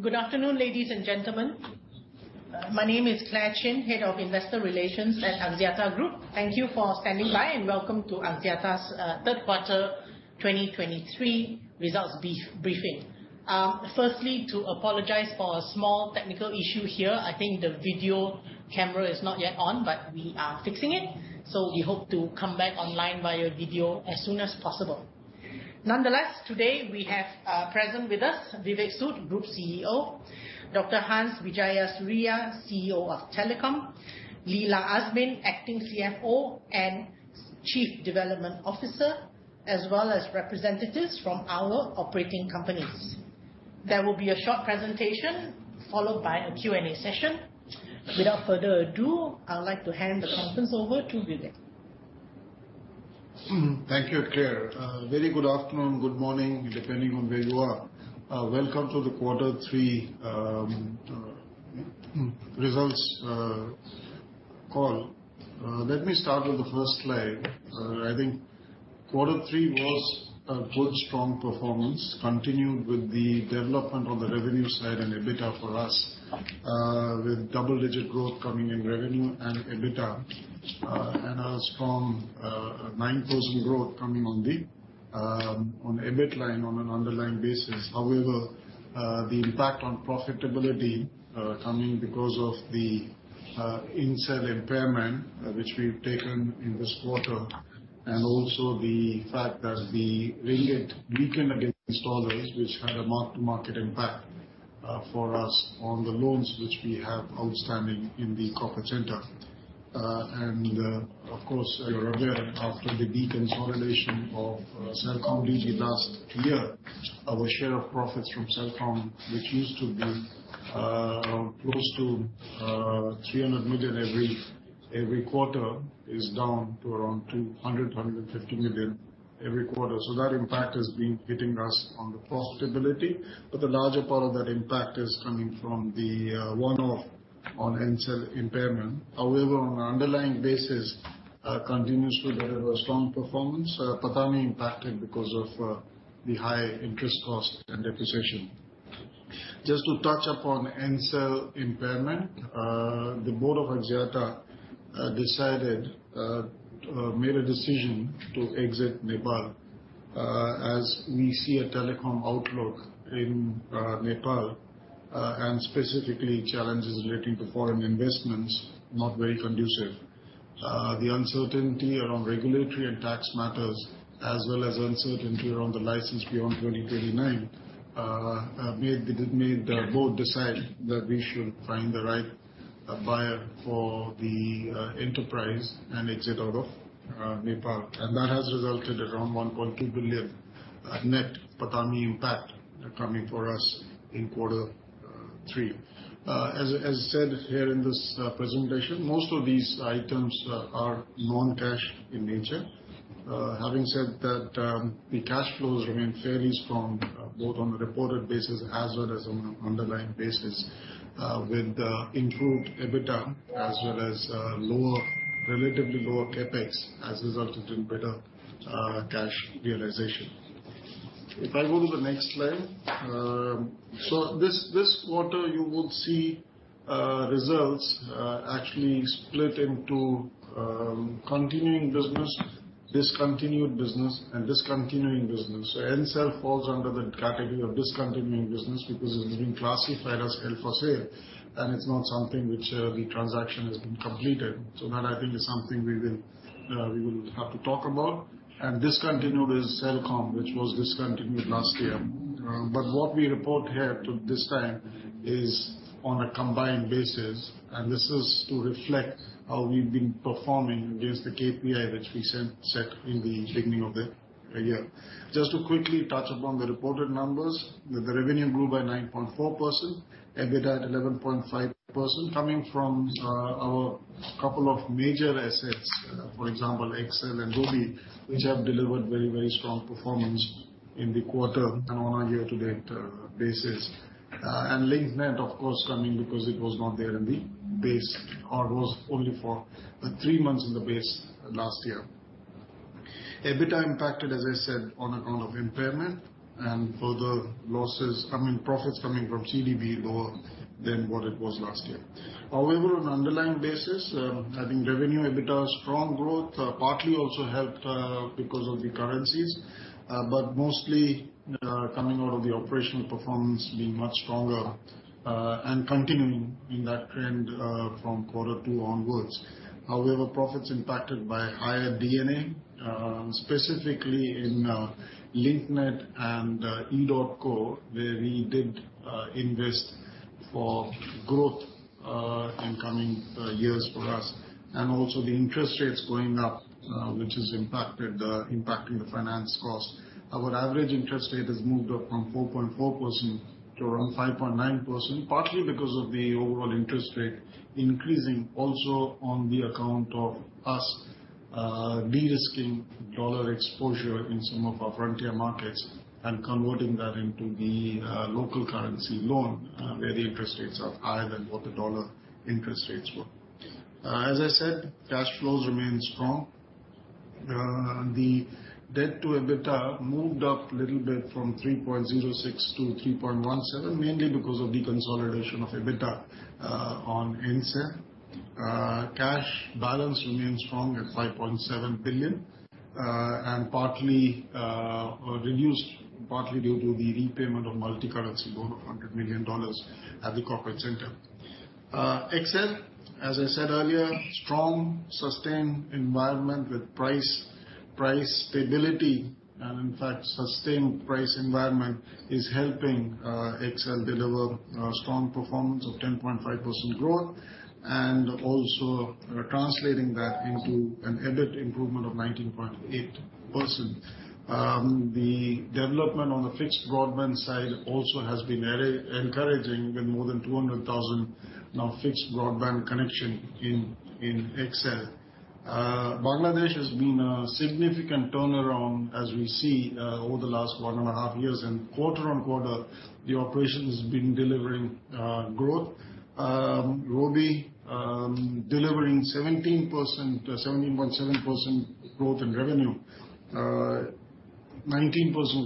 Good afternoon, ladies and gentlemen. My name is Clare Chin, Head of Investor Relations at Axiata Group. Thank you for standing by, and welcome to Axiata's third quarter 2023 results brief, briefing. Firstly, to apologize for a small technical issue here. I think the video camera is not yet on, but we are fixing it, so we hope to come back online via video as soon as possible. Nonetheless, today we have present with us, Vivek Sood, Group CEO, Dr. Hans Wijayasuriya, CEO of Telecom, Lila Azmin, Acting CFO and Chief Development Officer, as well as representatives from our operating companies. There will be a short presentation, followed by a Q&A session. Without further ado, I'd like to hand the conference over to Vivek. Thank you, Clare. Very good afternoon, good morning, depending on where you are. Welcome to the Quarter Three results call. Let me start with the first slide. I think Quarter Three was a good, strong performance, continued with the development on the revenue side and EBITDA for us, with double-digit growth coming in revenue and EBITDA. And a strong, 9% growth coming on the on EBIT line on an underlying basis. However, the impact on profitability, coming because of the Ncell impairment, which we've taken in this quarter, and also the fact that the ringgit weakened against dollars, which had a mark-to-market impact, for us on the loans which we have outstanding in the corporate center. Of course, you're aware, after the deconsolidation of CelcomDigi last year, our share of profits from Celcom, which used to be close to 300 million every quarter, is down to around 250 million every quarter. So that impact has been hitting us on the profitability, but the larger part of that impact is coming from the one-off on Ncell impairment. However, on an underlying basis, continues to deliver a strong performance, partly impacted because of the high interest cost and depreciation. Just to touch upon Ncell impairment, the Board of Axiata decided made a decision to exit Nepal, as we see a telecom outlook in Nepal, and specifically challenges relating to foreign investments not very conducive. The uncertainty around regulatory and tax matters, as well as uncertainty around the license beyond 2039, made the board decide that we should find the right buyer for the enterprise and exit out of Nepal. And that has resulted in around 1.2 billion net PATAMI impact coming for us in Quarter 3. As I said, here in this presentation, most of these items are non-cash in nature. Having said that, the cash flows remain fairly strong, both on a reported basis as well as on an underlying basis, with the improved EBITDA, as well as lower, relatively lower CapEx, has resulted in better cash realization. If I go to the next slide. So this quarter, you would see results actually split into continuing business, discontinued business, and discontinuing business. So Ncell falls under the category of discontinuing business because it's been classified as held for sale, and it's not something which the transaction has been completed. So that, I think, is something we will have to talk about. And discontinued is Celcom, which was discontinued last year. But what we report here to this time is on a combined basis, and this is to reflect how we've been performing against the KPI, which we set in the beginning of the year. Just to quickly touch upon the reported numbers, the revenue grew by 9.4%, EBITDA at 11.5%, coming from our couple of major assets, for example, XL and Robi, which have delivered very, very strong performance in the quarter and on a year-to-date basis. And Link Net, of course, coming because it was not there in the base or was only for the three months in the base last year. EBITDA impacted, as I said, on account of impairment and further losses, I mean, profits coming from CelcomDigi lower than what it was last year. However, on an underlying basis, I think revenue, EBITDA, strong growth, partly also helped because of the currencies, but mostly coming out of the operational performance being much stronger and continuing in that trend from Quarter Two onwards. However, profits impacted by higher D&A, specifically in Link Net and edotco, where we did invest for growth in coming years for us. Also the interest rates going up, which has impacted impacting the finance cost. Our average interest rate has moved up from 4.4% to around 5.9%, partly because of the overall interest rate increasing, also on the account of us de-risking dollar exposure in some of our frontier markets and converting that into the local currency loan, where the interest rates are higher than what the dollar interest rates were. As I said, cash flows remain strong. The debt to EBITDA moved up a little bit from 3.06 to 3.17, mainly because of the consolidation of EBITDA on Ncell. Cash balance remains strong at 5.7 billion, and partly reduced, partly due to the repayment of multi-currency loan of $100 million at the corporate center. XL, as I said earlier, strong, sustained environment with price, price stability. And in fact, sustained price environment is helping, XL deliver a strong performance of 10.5% growth, and also translating that into an EBIT improvement of 19.8%. The development on the fixed broadband side also has been encouraging, with more than 200,000 now fixed broadband connection in, in XL. Bangladesh has been a significant turnaround as we see, over the last one and a half years, and quarter-on-quarter, the operation has been delivering, growth. Robi, delivering 17%, 17.7% growth in revenue. 19%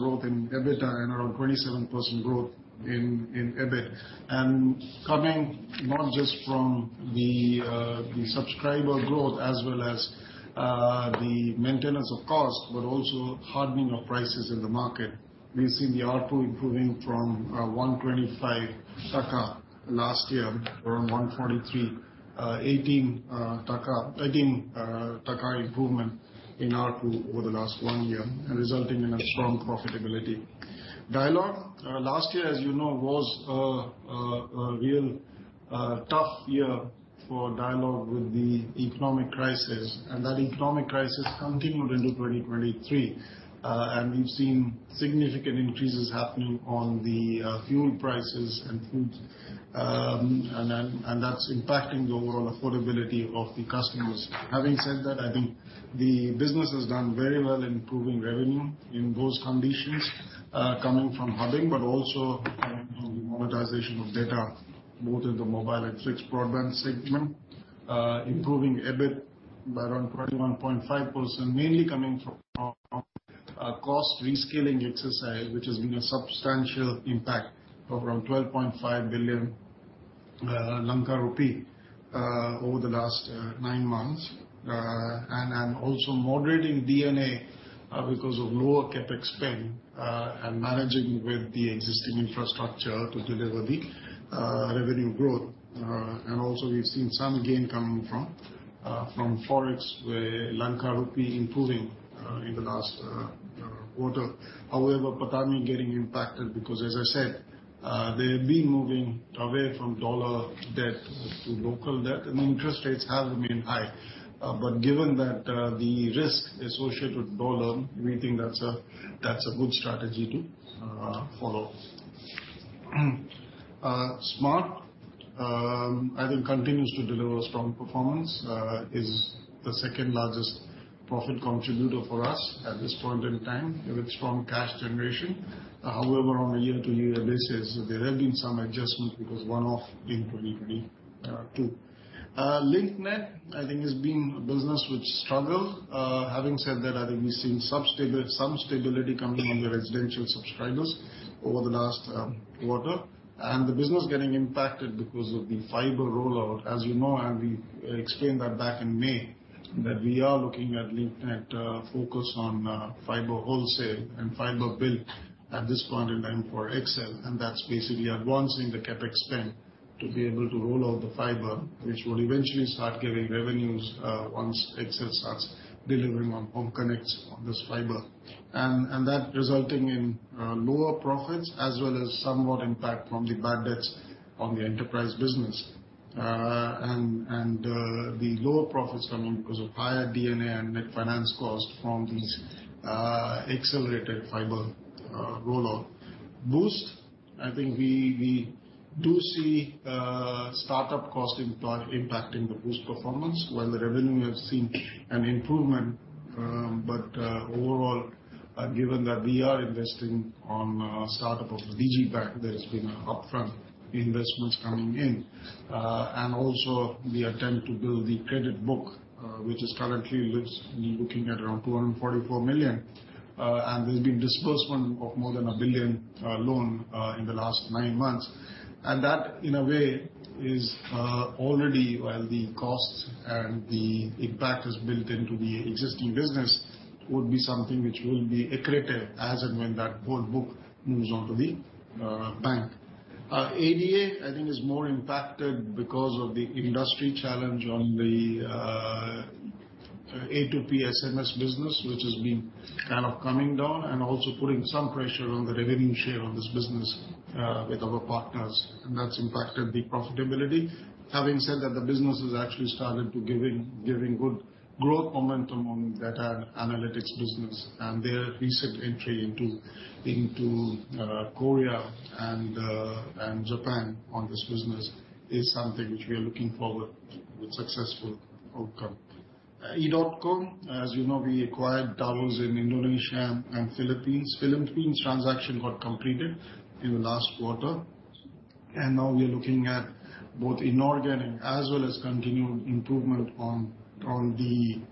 growth in EBITDA, and around 27% growth in EBIT. And coming not just from the subscriber growth as well as the maintenance of cost, but also hardening of prices in the market. We've seen the ARPU improving from 125 BDT last year, around 143 BDT, 18 BDT - 18 BDT improvement in ARPU over the last one year, and resulting in a strong profitability. Dialog. Last year, as you know, was a real tough year for Dialog with the economic crisis. And that economic crisis continued into 2023. And we've seen significant increases happening on the fuel prices and foods, and that's impacting the overall affordability of the customers. Having said that, I think the business has done very well in improving revenue in those conditions, coming from hubbing, but also from the monetization of data, both in the mobile and fixed broadband segment. Improving EBIT by around 21.5%, mainly coming from cost reskilling exercise, which has been a substantial impact of around LKR 12.5 billion over the last 9 months. And also moderating D&A because of lower CapEx spend and managing with the existing infrastructure to deliver the revenue growth. And also we've seen some gain coming from from Forex, where Lanka rupee improving in the last quarter. However, PATAMI getting impacted, because as I said, they've been moving away from dollar debt to local debt, and interest rates have been high. But given that, the risk associated with dollar, we think that's a good strategy to follow. Smart, I think, continues to deliver a strong performance, is the second largest profit contributor for us at this point in time, with strong cash generation. However, on a year-to-year basis, there have been some adjustments because one-off in 2022. Link Net, I think, has been a business which struggled. Having said that, I think we've seen some stability coming in the residential subscribers over the last quarter, and the business getting impacted because of the fiber rollout. As you know, and we explained that back in May, that we are looking at Link Net, focus on, fiber wholesale and fiber build at this point in time for XL, and that's basically advancing the CapEx spend to be able to roll out the fiber, which will eventually start giving revenues, once XL starts delivering on home connects on this fiber. And, that resulting in, lower profits as well as somewhat impact from the bad debts on the enterprise business. And, the lower profits coming because of higher DNA and net finance costs from these, accelerated fiber, rollout. Boost, I think we do see, start-up costs impacting the Boost performance, while the revenue has seen an improvement. But overall, given that we are investing on start-up of the Digi Bank, there's been upfront investments coming in. And also the attempt to build the credit book, which is currently, it's looking at around 244 million, and there's been disbursement of more than 1 billion loan in the last nine months. And that, in a way, is already while the costs and the impact is built into the existing business, would be something which will be accreted as and when that whole book moves on to the bank. ADA, I think, is more impacted because of the industry challenge on the A2P SMS business, which has been kind of coming down and also putting some pressure on the revenue share of this business with our partners, and that's impacted the profitability. Having said that, the business has actually started to giving good growth momentum on data analytics business, and their recent entry into Korea and Japan on this business is something which we are looking forward with successful outcome. edotco, as you know, we acquired towers in Indonesia and Philippines. Philippines transaction got completed in the last quarter. And now we are looking at both inorganic as well as continued improvement on the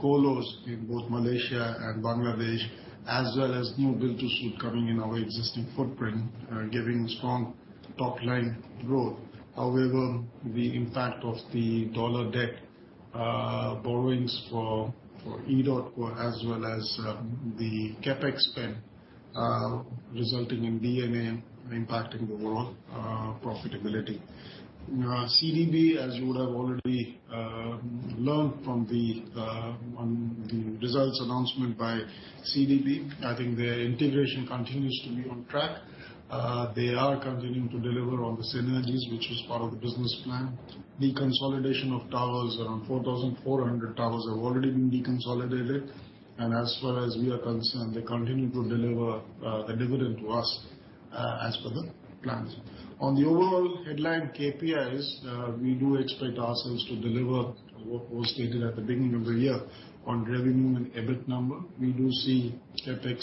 colos in both Malaysia and Bangladesh, as well as new build to suit coming in our existing footprint, giving strong top line growth. However, the impact of the dollar debt borrowings for edotco, as well as the CapEx spend, resulting in D&A impacting the overall profitability. CelcomDigi, as you would have already learned from the results announcement by CelcomDigi, I think their integration continues to be on track. They are continuing to deliver on the synergies, which is part of the business plan. The consolidation of towers, around 4,400 towers, have already been deconsolidated, and as far as we are concerned, they continue to deliver the dividend to us as per the plans. On the overall headline KPIs, we do expect ourselves to deliver what was stated at the beginning of the year. On revenue and EBIT number, we do see CapEx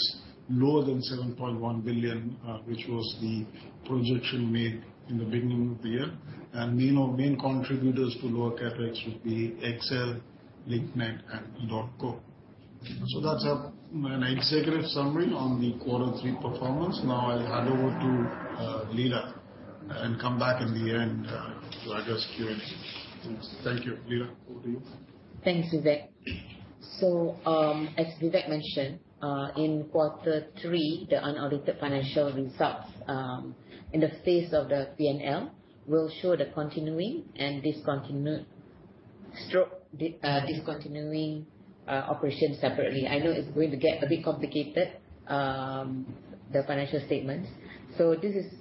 lower than 7.1 billion, which was the projection made in the beginning of the year. The main contributors to lower CapEx would be XL, Link Net, and edotco. That's an executive summary on the quarter three performance. Now I'll hand over to Lila, and come back in the end for our Q&A. Thank you. Lila, over to you. Thanks, Vivek. So, as Vivek mentioned, in quarter three, the unaudited financial results, in the face of the P&L will show the continuing and discontinued, stroke, discontinuing, operations separately. I know it's going to get a bit complicated, the financial statements. So this is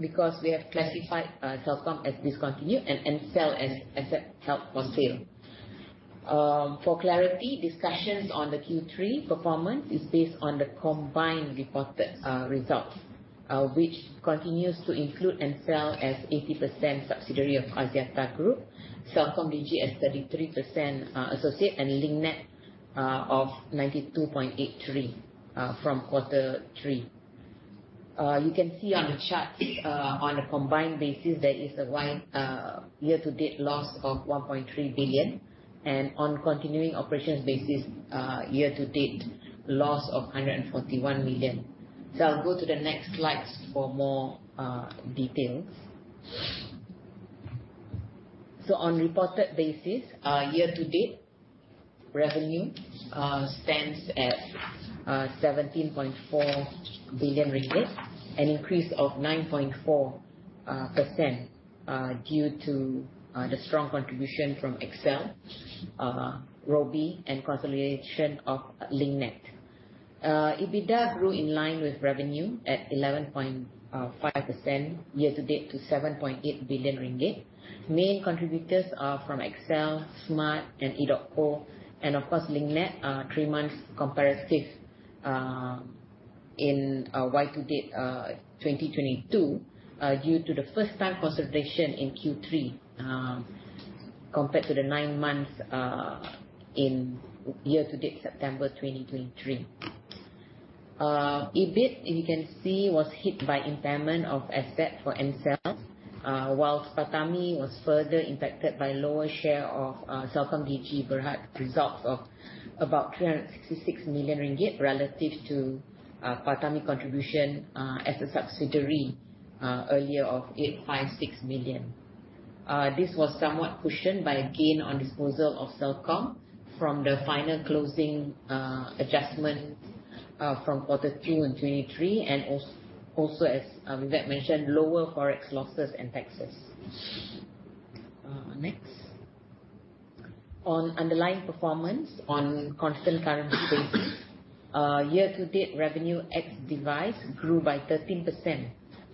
because we have classified, Celcom as discontinued and Ncell as held for sale. For clarity, discussions on the Q3 performance is based on the combined reported results, which continues to include Ncell as 80% subsidiary of Axiata Group, CelcomDigi as 33% associate, and Link Net of 92.83% from quarter three. You can see on the chart, on a combined basis, there is a year-to-date loss of 1.3 billion, and on continuing operations basis, year-to-date loss of 141 million. So I'll go to the next slides for more details. On reported basis, year-to-date revenue stands at 17.4 billion ringgit, an increase of 9.4%, due to the strong contribution from XL, Robi and consolidation of Link Net. EBITDA grew in line with revenue at 11.5% year to date to 7.8 billion ringgit. Main contributors are from XL, Smart and edotco, and of course, Link Net, three months comparative in year-to-date 2022 due to the first time consolidation in Q3 compared to the nine months in year-to-date September 2023. EBIT, you can see, was hit by impairment of asset for Ncell, whilst PATAMI was further impacted by lower share of CelcomDigi Berhad results of about 366 million ringgit relative to PATAMI contribution as a subsidiary earlier of 856 million. This was somewhat cushioned by a gain on disposal of Celcom from the final closing adjustment from quarter two 2023, and also, as Vivek mentioned, lower Forex losses and taxes. Next. On underlying performance on constant currency basis, year-to-date revenue at device grew by 13%,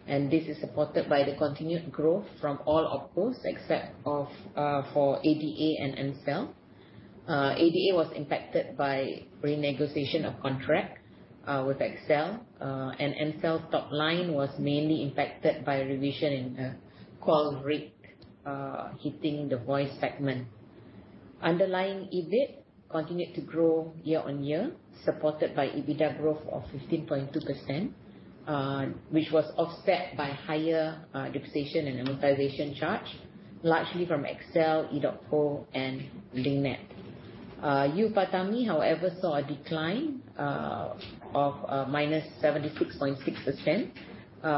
and this is supported by the continued growth from all operators, except for ADA and Smart. ADA was impacted by renegotiation of contract with XL, and Smart top line was mainly impacted by a revision in the call rate, hitting the voice segment. Underlying EBIT continued to grow year-on-year, supported by EBITDA growth of 15.2%, which was offset by higher depreciation and amortization charge, largely from XL, edotco and Link Net. Our PATAMI, however, saw a decline of -76.6%,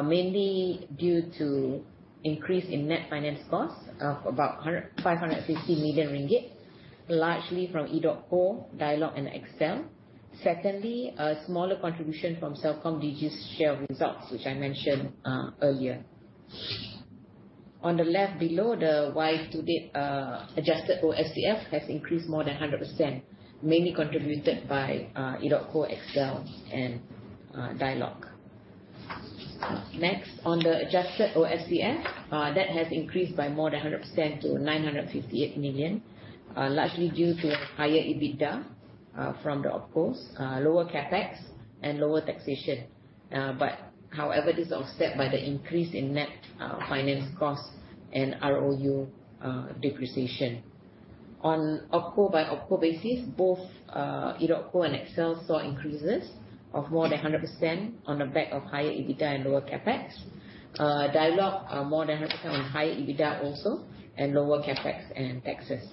mainly due to increase in net finance costs of about 550 million ringgit, largely from edotco, Dialog and XL. Secondly, a smaller contribution from CelcomDigi share results, which I mentioned earlier. On the left below, the Y to date adjusted OSCF has increased more than 100%, mainly contributed by edotco, XL and Dialog. Next, on the adjusted OSCF that has increased by more than 100% to 958 million, largely due to higher EBITDA from the operates, lower CapEx and lower taxation. But however, this is offset by the increase in net finance costs and ROU depreciation. On opco by opco basis, both edotco and XL saw increases of more than 100% on the back of higher EBITDA and lower CapEx. Dialog more than 100% on higher EBITDA also, and lower CapEx and taxes.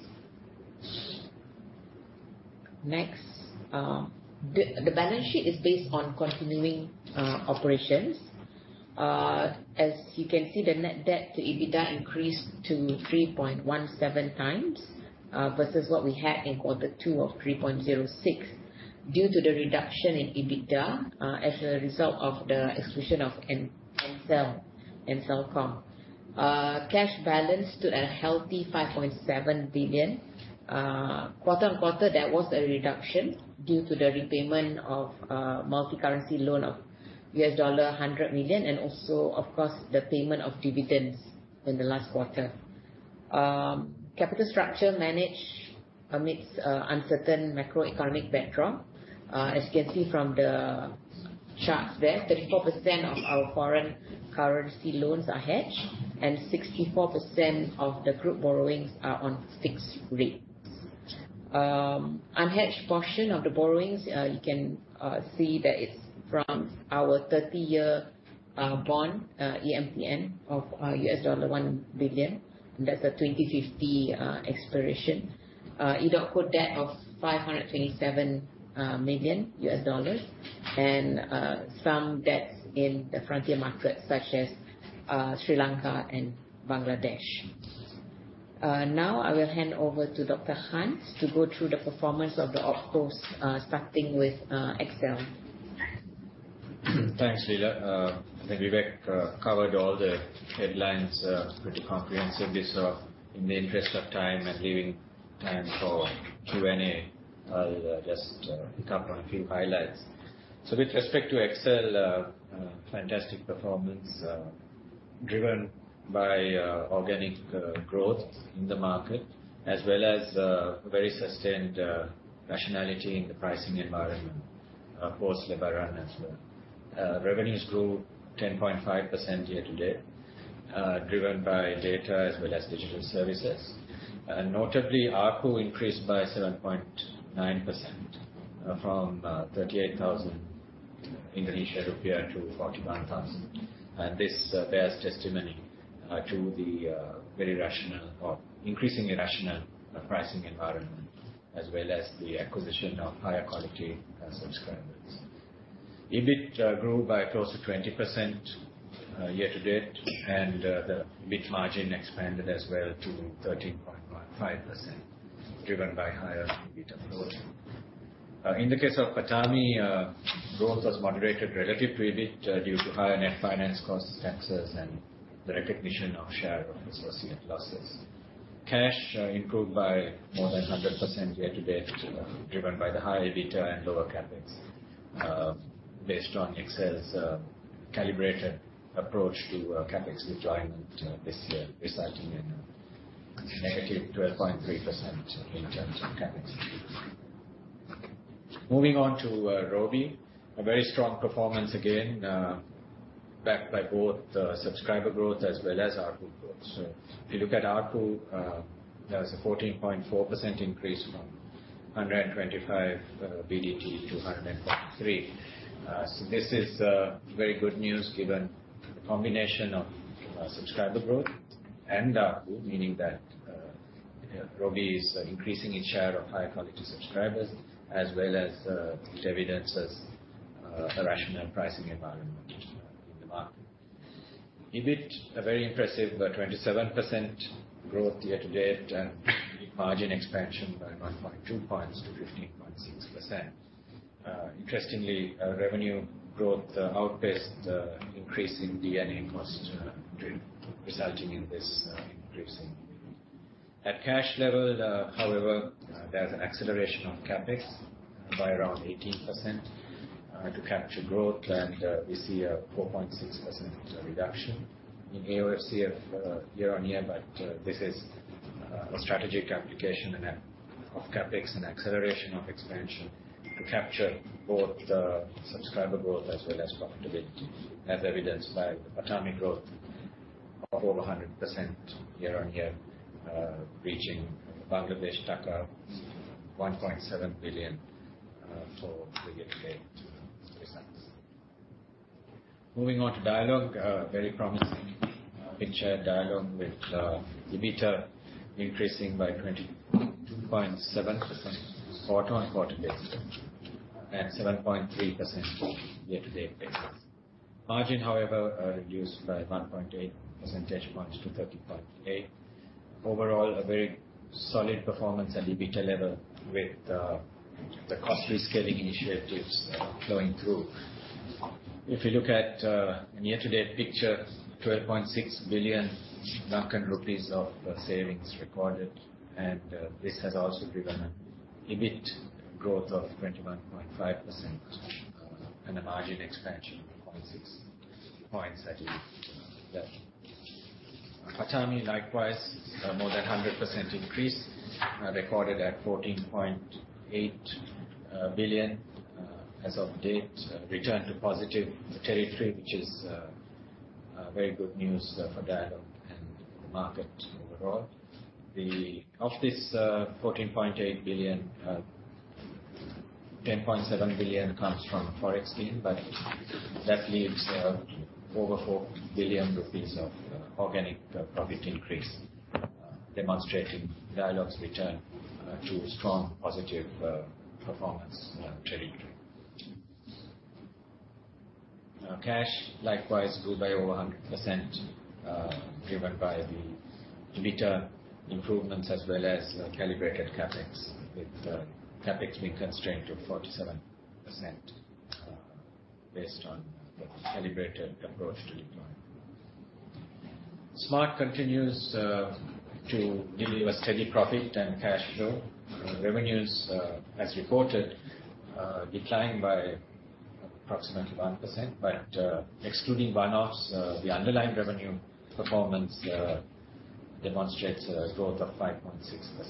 Next, the balance sheet is based on continuing operations. As you can see, the net debt to EBITDA increased to 3.17x, versus what we had in quarter two of 3.06x, due to the reduction in EBITDA, as a result of the exclusion of Ncell. Cash balance stood at a healthy 5.7 billion. Quarter-over-quarter, there was a reduction due to the repayment of multicurrency loan of $100 million, and also, of course, the payment of dividends in the last quarter. Capital structure managed amidst uncertain macroeconomic backdrop. As you can see from the charts there, 34% of our foreign currency loans are hedged, and 64% of the group borrowings are on fixed rates. Unhedged portion of the borrowings, you can see that it's from our 30-year bond, EMTN of $1 billion, and that's a 2050 expiration. edotco debt of $527 million and some debts in the frontier markets such as Sri Lanka and Bangladesh. Now I will hand over to Dr. Hans to go through the performance of the opcos, starting with XL. Thanks, Lila. Vivek covered all the headlines pretty comprehensively. So in the interest of time and leaving time for Q&A, I'll just pick up on a few highlights. So with respect to XL, fantastic performance driven by organic growth in the market, as well as very sustained rationality in the pricing environment, of course, Lebaran as well. Revenues grew 10.5% year to date, driven by data as well as digital services. And notably, ARPU increased by 7.9%, from 38,000 rupiah to 41,000 rupiah. And this bears testimony to the very rational or increasingly rational pricing environment, as well as the acquisition of higher quality subscribers. EBIT grew by close to 20%, year to date, and the EBIT margin expanded as well to 13.5%, driven by higher EBITDA growth. In the case of Axiata, growth was moderated relative to EBIT due to higher net finance costs, taxes, and the recognition of share associated losses. Cash improved by more than 100% year to date, driven by the higher EBITDA and lower CapEx. Based on XL's calibrated approach to CapEx deployment this year, resulting in a negative 12.3% in terms of CapEx. Moving on to Robi. A very strong performance again, backed by both the subscriber growth as well as ARPU growth. So if you look at ARPU, there was a 14.4% increase from 125 BDT to 143 BDT. So this is very good news, given the combination of subscriber growth and ARPU, meaning that Robi is increasing its share of high-quality subscribers, as well as it evidences a rational pricing environment in the market. EBIT, a very impressive 27% growth year to date, and EBIT margin expansion by 1.2 points to 15.6%. Interestingly, revenue growth outpaced the increase in D&A costs, resulting in this increasing. At cash level, however, there's an acceleration of CapEx by around 18%, to capture growth, and we see a 4.6% reduction in ACFC year-on-year, but this is a strategic application and of CapEx and acceleration of expansion to capture both the subscriber growth as well as profitability, as evidenced by PATAMI growth of over 100% year-on-year, reaching BDT 1.7 billion for the year-to-date. Moving on to Dialog. Very promising picture at Dialog with EBITDA increasing by 22.7% quarter-on-quarter basis and 7.3% year-to-date basis. Margin, however, reduced by 1.8 percentage points to 30.8. Overall, a very solid performance at EBITDA level with the cost reskilling initiatives flowing through. If you look at a year-to-date picture, LKR 12.6 billion of savings recorded, and this has also driven an EBIT growth of 21.5% and a margin expansion of 0.6 points. That is PATAMI, likewise, more than 100% increase recorded at LKR 14.8 billion as of date return to positive territory, which is very good news for Dialog and the market overall. Of this LKR 14.8 billion, LKR 10.7 billion comes from ForEx gain, but that leaves over LKR 4 billion of organic profit increase, demonstrating Dialog's return to strong positive performance trajectory. Cash, likewise, grew by over 100%, driven by the EBITDA improvements as well as calibrated CapEx, with CapEx being constrained to 47%, based on the calibrated approach to deploy. Smart continues to deliver steady profit and cash flow. Revenues, as reported, declined by approximately 1%, but excluding one-offs, the underlying revenue performance demonstrates growth of 5.6%,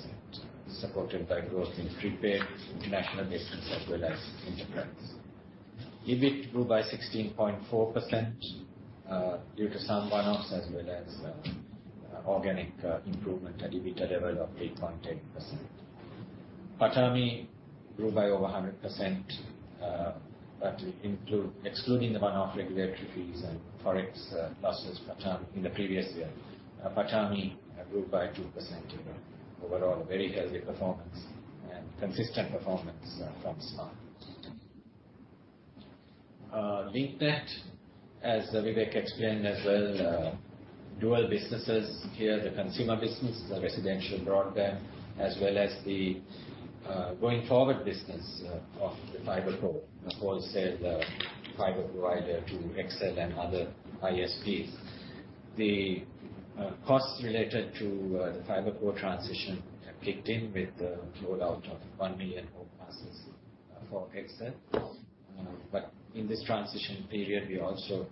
supported by growth in prepaid, international business, as well as enterprise. EBIT grew by 16.4%, due to some one-offs, as well as organic improvement at EBITDA level of 3.8%. PATAMI grew by over 100%, but excluding the one-off regulatory fees and Forex losses PATAMI in the previous year, PATAMI grew by 2% overall. A very healthy performance and consistent performance from Smart. Link Net, as Vivek explained as well, dual businesses here, the consumer business, the residential broadband, as well as the going forward business of the fiber core. Of course, fiber provider to XL and other ISPs. The costs related to the fiber core transition have kicked in with the rollout of 1 million home passes for XL. But in this transition period, we also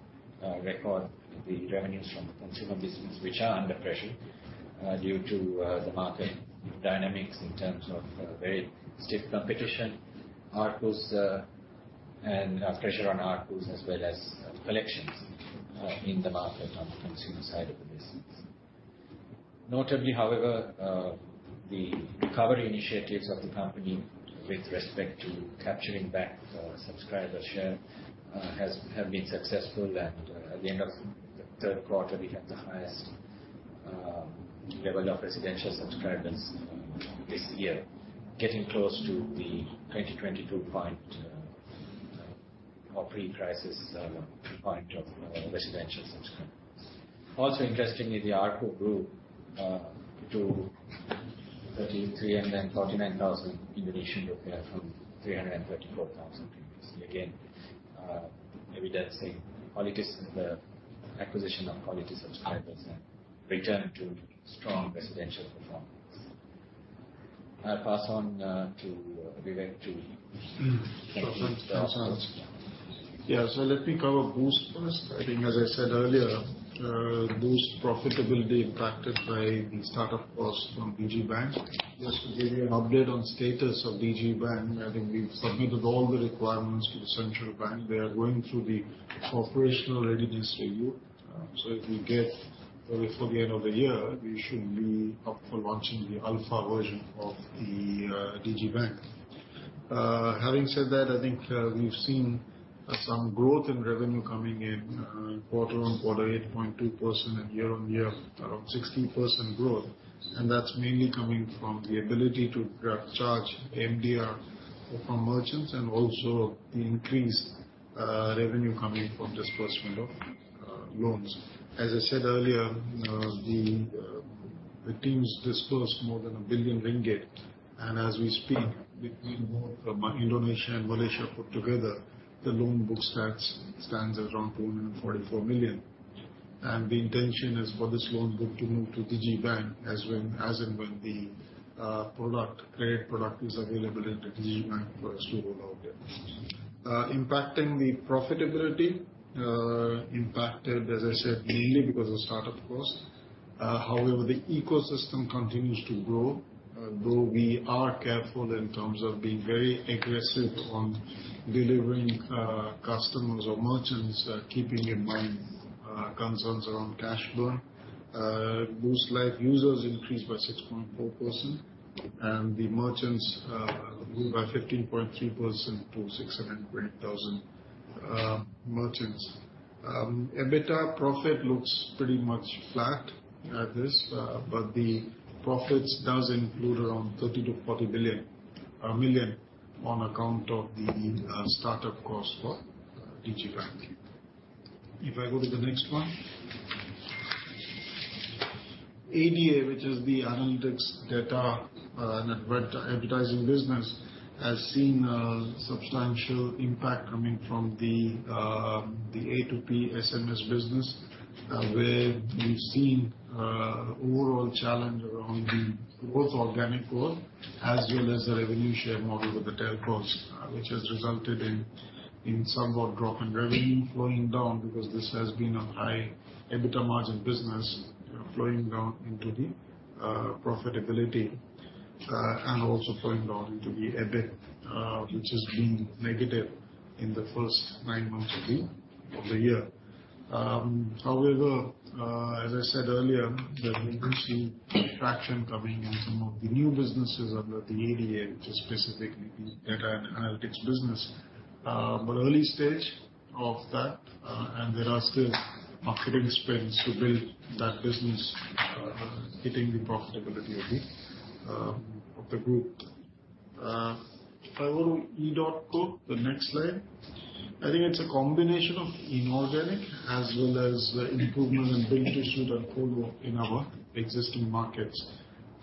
record the revenues from the consumer business, which are under pressure due to the market dynamics in terms of very stiff competition, ARPU, and pressure on ARPUs, as well as collections in the market on the consumer side of the business. Notably, however, the recovery initiatives of the company with respect to capturing back, subscriber share, has, have been successful, and, at the end of the third quarter, we had the highest, level of residential subscribers, this year. Getting close to the 2022 point, or pre-crisis, point of, residential subscribers. Also, interestingly, the ARPU grew, to 33 thousand and then 39 thousand from 334 thousand. Again, evidence saying quality is the acquisition of quality subscribers and return to strong residential performance. I pass on to Vivek to- Mm-hmm. Yeah, so let me cover Boost first. I think, as I said earlier, Boost profitability impacted by the startup costs from Digi Bank. Just to give you an update on status of Digi Bank, I think we've submitted all the requirements to the central bank. They are going through the operational readiness review. So if we get before the end of the year, we should be up for launching the alpha version of the Digi Bank. Having said that, I think we've seen some growth in revenue coming in quarter-on-quarter, 8.2%, and year-on-year, around 16% growth. And that's mainly coming from the ability to charge MDR from merchants, and also the increased revenue coming from disbursement of loans. As I said earlier, the teams disbursed more than 1 billion ringgit. And as we speak, between both Indonesia and Malaysia put together, the loan book stats stands at around 244 million. And the intention is for this loan book to move to Digi Bank, as and when the credit product is available in the Digi Bank for us to roll out there. Impacting the profitability, impacted, as I said, mainly because of startup costs. However, the ecosystem continues to grow, though we are careful in terms of being very aggressive on delivering customers or merchants, keeping in mind concerns around cash burn. Boost live users increased by 6.4%, and the merchants grew by 15.3% to 620,000 merchants. EBITDA profit looks pretty much flat at this, but the profits does include around 30 million-40 million on account of the startup costs for Digi Bank. If I go to the next one. ADA, which is the analytics data and advertising business, has seen a substantial impact coming from the the A2P SMS business, where we've seen overall challenge around the both organic growth as well as the revenue share model with the telcos, which has resulted in in somewhat drop in revenue flowing down, because this has been a high EBITDA margin business flowing down into the profitability.... And also flowing down into the EBIT, which has been negative in the first nine months of the of the year. However, as I said earlier, that we do see traction coming in some of the new businesses under the ADA, which is specifically the data and analytics business. But early stage of that, and there are still marketing spends to build that business, hitting the profitability of the group. If I go to edotco, the next slide. I think it's a combination of inorganic as well as improvement in penetration and colo in our existing markets.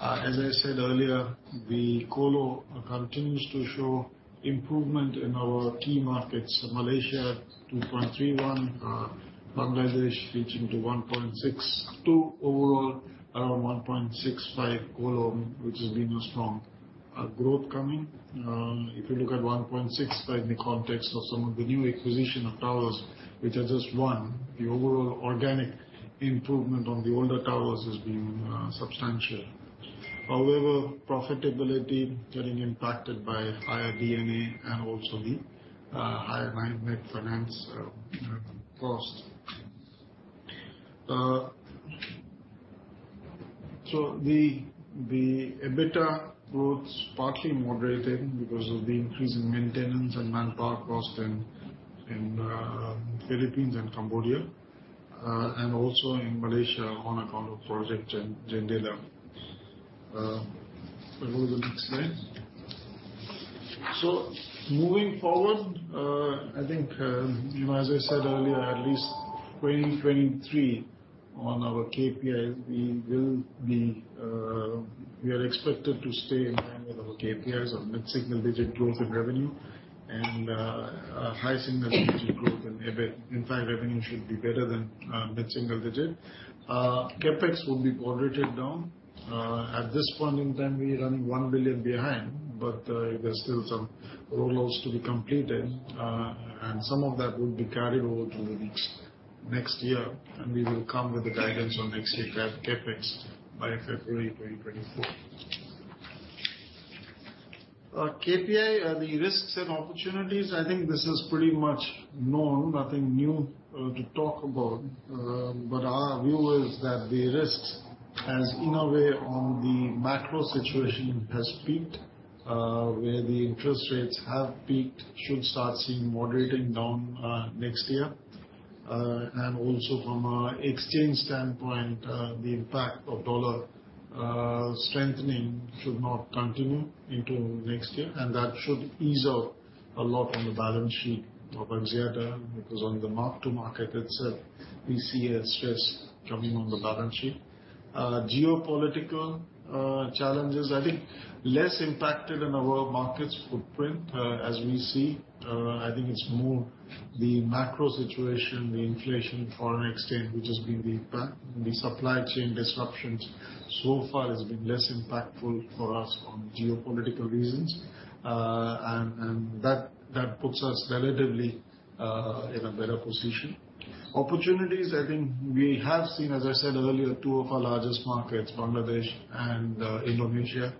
As I said earlier, the colo continues to show improvement in our key markets. Malaysia, 2.31, Bangladesh reaching to 1.62. Overall, 1.65 colo, which has been a strong growth coming. If you look at 1.65 in the context of some of the new acquisition of towers, which are just one, the overall organic improvement on the older towers has been substantial. However, profitability getting impacted by higher D&A and also the higher net finance cost. So the EBITDA growth partly moderated because of the increase in maintenance and manpower cost in Philippines and Cambodia, and also in Malaysia on account of Project Jendela. If I go to the next slide. So moving forward, I think, as I said earlier, at least 2023 on our KPIs, we will be... We are expected to stay in line with our KPIs on mid-single-digit growth in revenue and a high single-digit growth in EBIT. In fact, revenue should be better than mid-single digit. CapEx will be moderated down. At this point in time, we are running 1 billion behind, but there are still some roll outs to be completed, and some of that will be carried over to the next, next year, and we will come with the guidance on next year CapEx by February 2024. KPI, the risks and opportunities, I think this is pretty much known, nothing new to talk about. But our view is that the risks, as in a way, on the macro situation, has peaked, where the interest rates have peaked, should start seeing moderating down next year. And also from an exchange standpoint, the impact of dollar strengthening should not continue into next year, and that should ease out a lot on the balance sheet of Axiata, because on the mark-to-market itself, we see a stress coming on the balance sheet. Geopolitical challenges, I think less impacted in our markets footprint, as we see. I think it's more the macro situation, the inflation, foreign exchange, which has been the supply chain disruptions, so far has been less impactful for us on geopolitical reasons. And that puts us relatively in a better position. Opportunities, I think we have seen, as I said earlier, two of our largest markets, Bangladesh and Indonesia,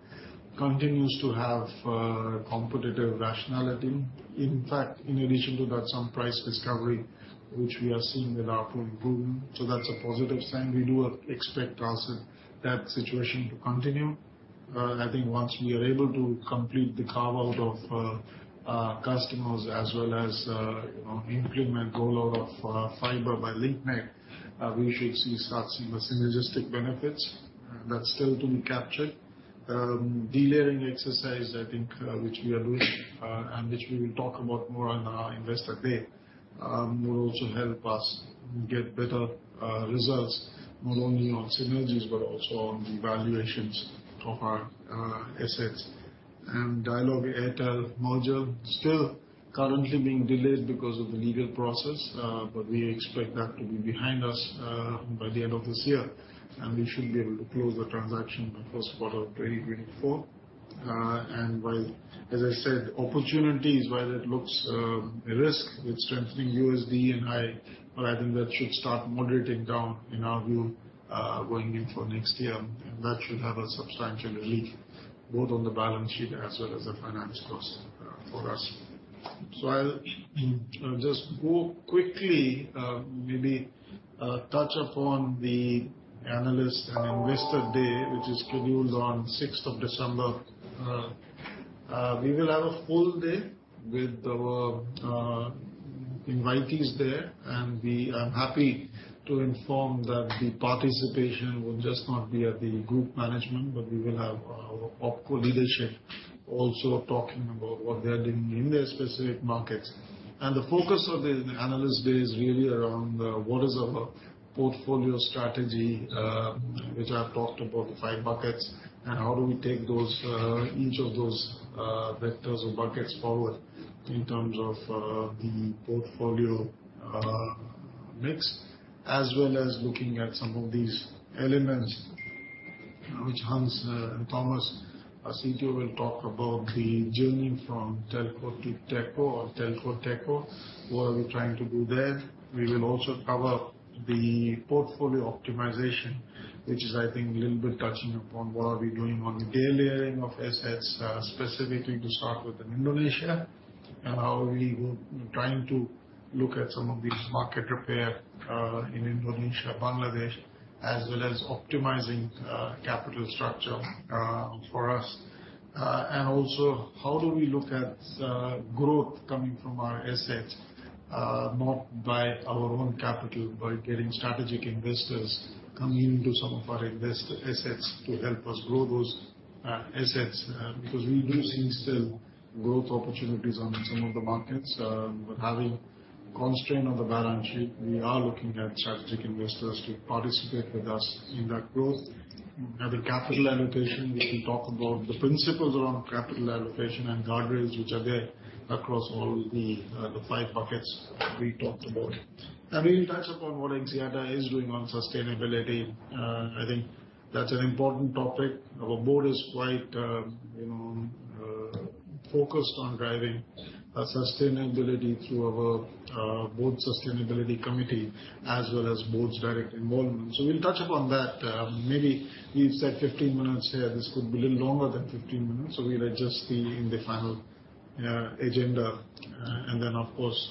continues to have competitive rationality. In fact, in addition to that, some price discovery, which we are seeing in our portfolio. So that's a positive sign. We do expect also that situation to continue. I think once we are able to complete the carve-out of customers as well as, you know, implement rollout of fiber by Link Net, we should see, start seeing the synergistic benefits that's still to be captured. Delayering exercise, I think, which we are doing, and which we will talk about more on our Investor Day, will also help us get better results, not only on synergies, but also on the valuations of our assets. And Dialog Airtel merger still currently being delayed because of the legal process, but we expect that to be behind us by the end of this year, and we should be able to close the transaction by first quarter of 2024. And while... As I said, opportunities, whether it looks a risk with strengthening USD and high, but I think that should start moderating down, in our view, going into next year. And that should have a substantial relief, both on the balance sheet as well as the finance cost, for us. So I'll just go quickly, maybe touch upon the Analyst and Investor Day, which is scheduled on sixth of December. We will have a full day with our invitees there, and we are happy to inform that the participation will just not be at the group management, but we will have our OpCo leadership also talking about what they are doing in their specific markets. The focus of the Analyst Day is really around what is our portfolio strategy, which I have talked about, the five buckets, and how do we take those each of those vectors or buckets forward in terms of the portfolio mix, as well as looking at some of these elements which Hans and Thomas, our CTO, will talk about the journey from Telco to TechCo or Telco-TechCo. What are we trying to do there? We will also cover the portfolio optimization, which is, I think, a little bit touching upon what are we doing on the de-layering of assets, specifically to start with in Indonesia, and how we were trying to look at some of these market repair in Indonesia, Bangladesh, as well as optimizing capital structure for us. And also how do we look at growth coming from our assets, not by our own capital, by getting strategic investors coming into some of our invest assets to help us grow those assets, because we do see still growth opportunities on some of the markets. But having constraint on the balance sheet, we are looking at strategic investors to participate with us in that growth. At the capital allocation, we can talk about the principles around capital allocation and guardrails, which are there across all the the five buckets we talked about. And we will touch upon what Axiata is doing on sustainability. I think that's an important topic. Our board is quite, you know, focused on driving sustainability through our board sustainability committee, as well as board's direct involvement. So we'll touch upon that. Maybe we've said 15 minutes here. This could be a little longer than 15 minutes, so we'll adjust it in the final agenda. And then, of course,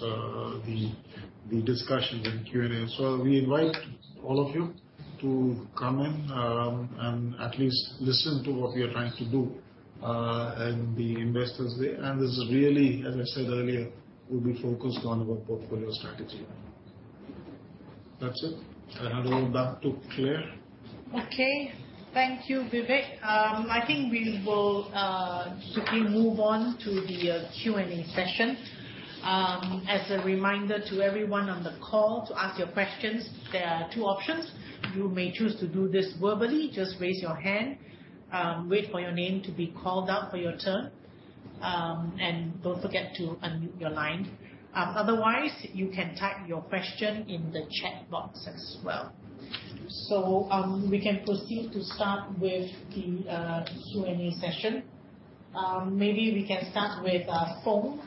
the discussions and Q&A. So we invite all of you to come in and at least listen to what we are trying to do in the Investors Day. And this is really, as I said earlier, we'll be focused on our portfolio strategy. That's it. I hand over back to Clare. Okay, thank you, Vivek. I think we will simply move on to the Q&A session. As a reminder to everyone on the call to ask your questions, there are two options. You may choose to do this verbally. Just raise your hand, wait for your name to be called out for your turn, and don't forget to unmute your line. Otherwise, you can type your question in the chat box as well. So, we can proceed to start with the Q&A session. Maybe we can start with Fung.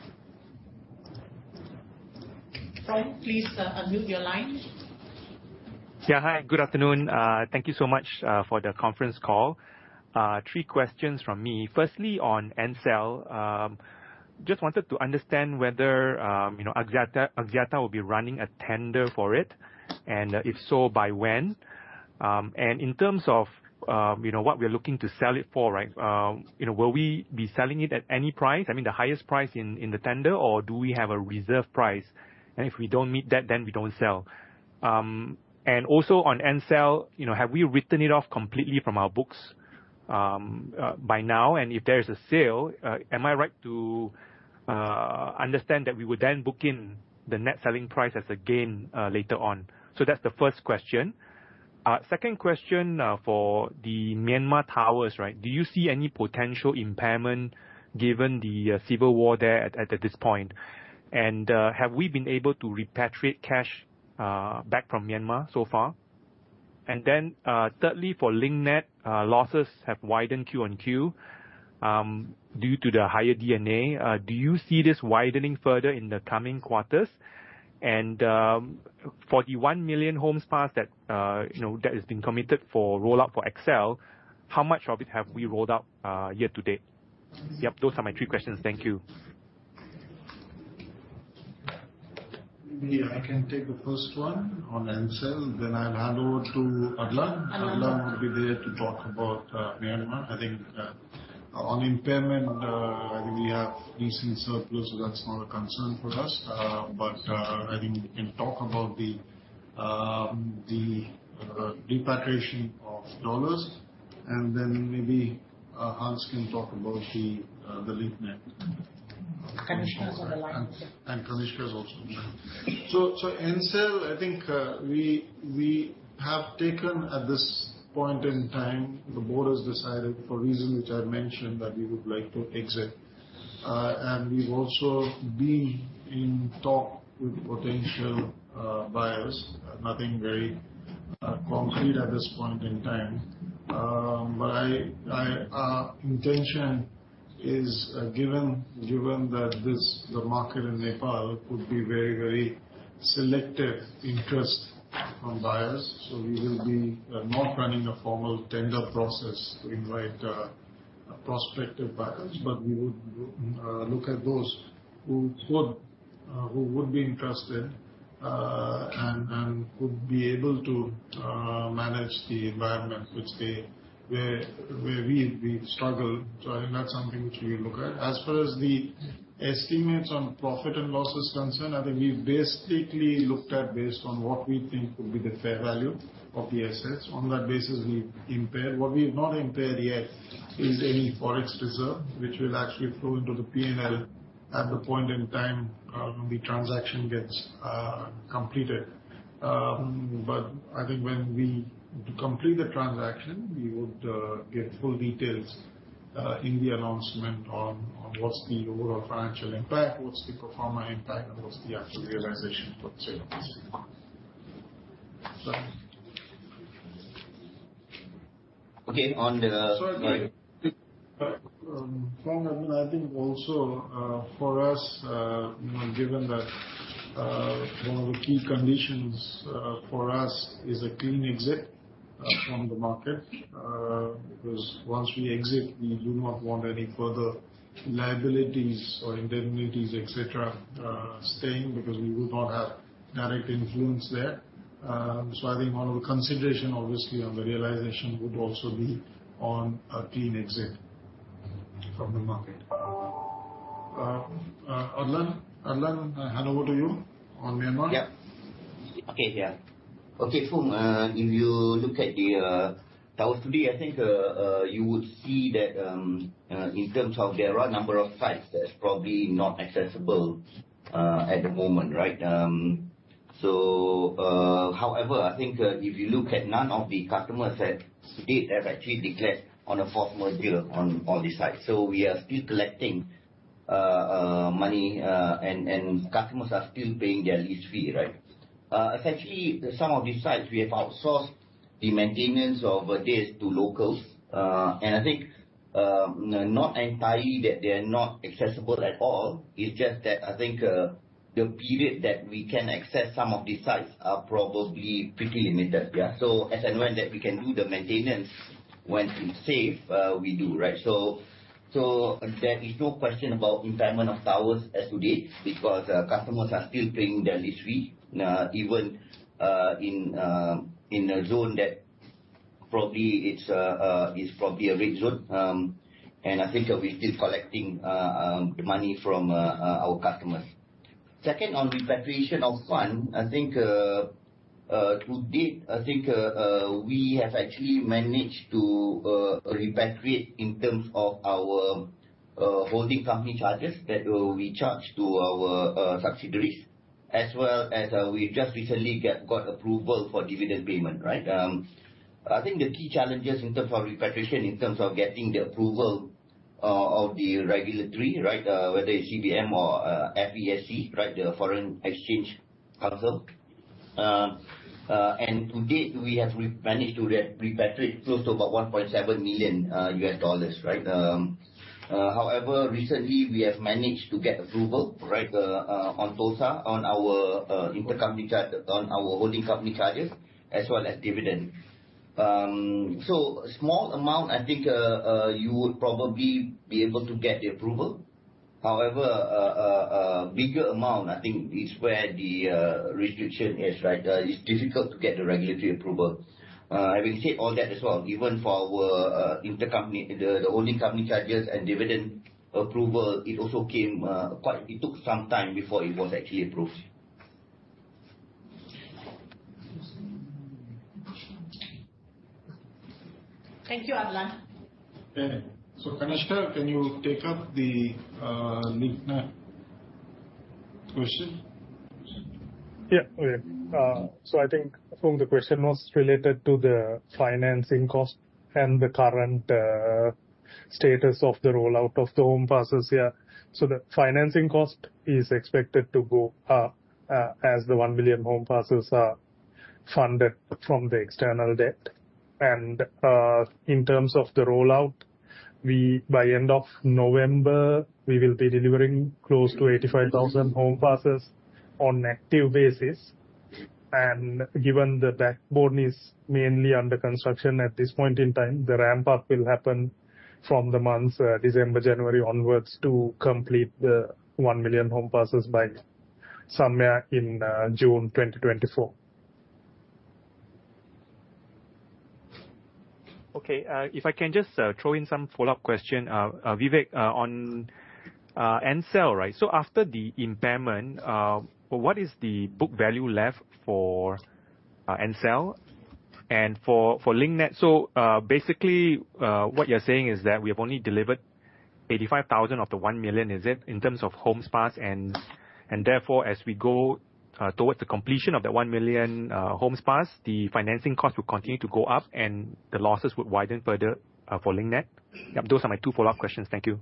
Fung, please, unmute your line. Yeah. Hi, good afternoon. Thank you so much for the conference call. Three questions from me. Firstly, on Ncell. Just wanted to understand whether, you know, Axiata, Axiata will be running a tender for it, and if so, by when? And in terms of, you know, what we are looking to sell it for, right, you know, will we be selling it at any price? I mean, the highest price in the tender, or do we have a reserve price, and if we don't meet that, then we don't sell? And also on Ncell, you know, have we written it off completely from our books by now? And if there is a sale, am I right to understand that we would then book in the net selling price as a gain later on? So that's the first question. Second question, for the Myanmar towers, right? Do you see any potential impairment given the civil war there at this point? And, have we been able to repatriate cash back from Myanmar so far? And then, thirdly, for Link Net, losses have widened Q and Q, due to the higher D&A. Do you see this widening further in the coming quarters? And, for the 1 million homes passed that you know that has been committed for rollout for AXL, how much of it have we rolled out year to date? Yep, those are my three questions. Thank you. Yeah, I can take the first one on Ncell, then I'll hand over to Adlan. Adlan. Adlan will be there to talk about Myanmar. I think on impairment I think we have decent surplus, so that's not a concern for us. But I think we can talk about the repatriation of dollars, and then maybe Hans can talk about the Link Net. Kanishka is on the line. Kanishka is also there. So Ncell, I think, we have taken at this point in time, the board has decided, for reasons which I mentioned, that we would like to exit. And we've also been in talk with potential buyers. Nothing very concrete at this point in time. But I intention is, given that this, the market in Nepal could be very selective interest from buyers, so we will be not running a formal tender process to invite prospective buyers. But we would look at those who would be interested, and would be able to manage the environment which they, where we struggle. So I think that's something which we look at. As far as the estimates on profit and loss is concerned, I think we've basically looked at based on what we think would be the fair value of the assets. On that basis, we've impaired. What we've not impaired yet is any Forex reserve, which will actually flow into the P&L at the point in time when the transaction gets completed. But I think when we complete the transaction, we would get full details in the announcement on what's the overall financial impact, what's the pro forma impact, and what's the actual realization from sales. So-... Okay, on the- Sorry. I think also, for us, you know, given that one of the key conditions for us is a clean exit from the market. Because once we exit, we do not want any further liabilities or indemnities, et cetera, staying, because we would not have direct influence there. So I think one of the consideration, obviously, on the realization would also be on a clean exit from the market. Adlan, Adlan, I hand over to you on Myanmar. Yeah. Okay, yeah. Okay, Fung, if you look at the towers today, I think you would see that in terms of there are a number of sites that's probably not accessible at the moment, right? So, however, I think if you look at none of the customers that to date have actually declared on a force majeure on the site. So we are still collecting money and customers are still paying their lease fee, right? Essentially, some of these sites, we have outsourced the maintenance of this to locals. And I think not entirely that they are not accessible at all, it's just that I think the period that we can access some of these sites are probably pretty limited. Yeah. So as and when that we can do the maintenance, when it's safe, we do, right? So there is no question about impairment of towers as today, because customers are still paying their lease fee, even in a zone that probably it's probably a red zone. And I think that we're still collecting the money from our customers. Second, on repatriation of fund, I think, to date, I think, we have actually managed to repatriate in terms of our holding company charges, that we charge to our subsidiaries, as well as, we just recently got approval for dividend payment, right? I think the key challenges in terms of repatriation, in terms of getting the approval of the regulatory, right, whether it's CBM or FESC, right, the Foreign Exchange Council. And to date, we have managed to repatriate close to about $1.7 million, right? However, recently, we have managed to get approval, right, on TSA, on our intercompany charge, on our holding company charges, as well as dividend. So small amount, I think, you would probably be able to get the approval. However, a bigger amount, I think, is where the restriction is, right? It's difficult to get the regulatory approval. I will say all that as well, even for our intercompany, the holding company charges and dividend approval. It also came. It took some time before it was actually approved. Thank you, Adlan. Yeah. So, Kanishka, can you take up the Link Net question? Yeah. Okay. So I think, Phoom, the question was related to the financing cost and the current status of the rollout of the HomePasses, yeah. So the financing cost is expected to go up as the 1 million HomePasses are funded from the external debt. And in terms of the rollout, by end of November, we will be delivering close to 85,000 HomePasses on active basis. And given the backbone is mainly under construction at this point in time, the ramp up will happen from the months December, January onwards to complete the 1 million HomePasses by sometime in June 2024. Okay, if I can just throw in some follow-up question. Vivek, on Ncell, right? So after the impairment, what is the book value left for Ncell and for Link Net? So, basically, what you're saying is that we have only delivered 85,000 of the 1 million, is it, in terms of HomePass? And therefore, as we go towards the completion of the 1 million HomePass, the financing costs will continue to go up and the losses would widen further for Link Net. Those are my two follow-up questions. Thank you.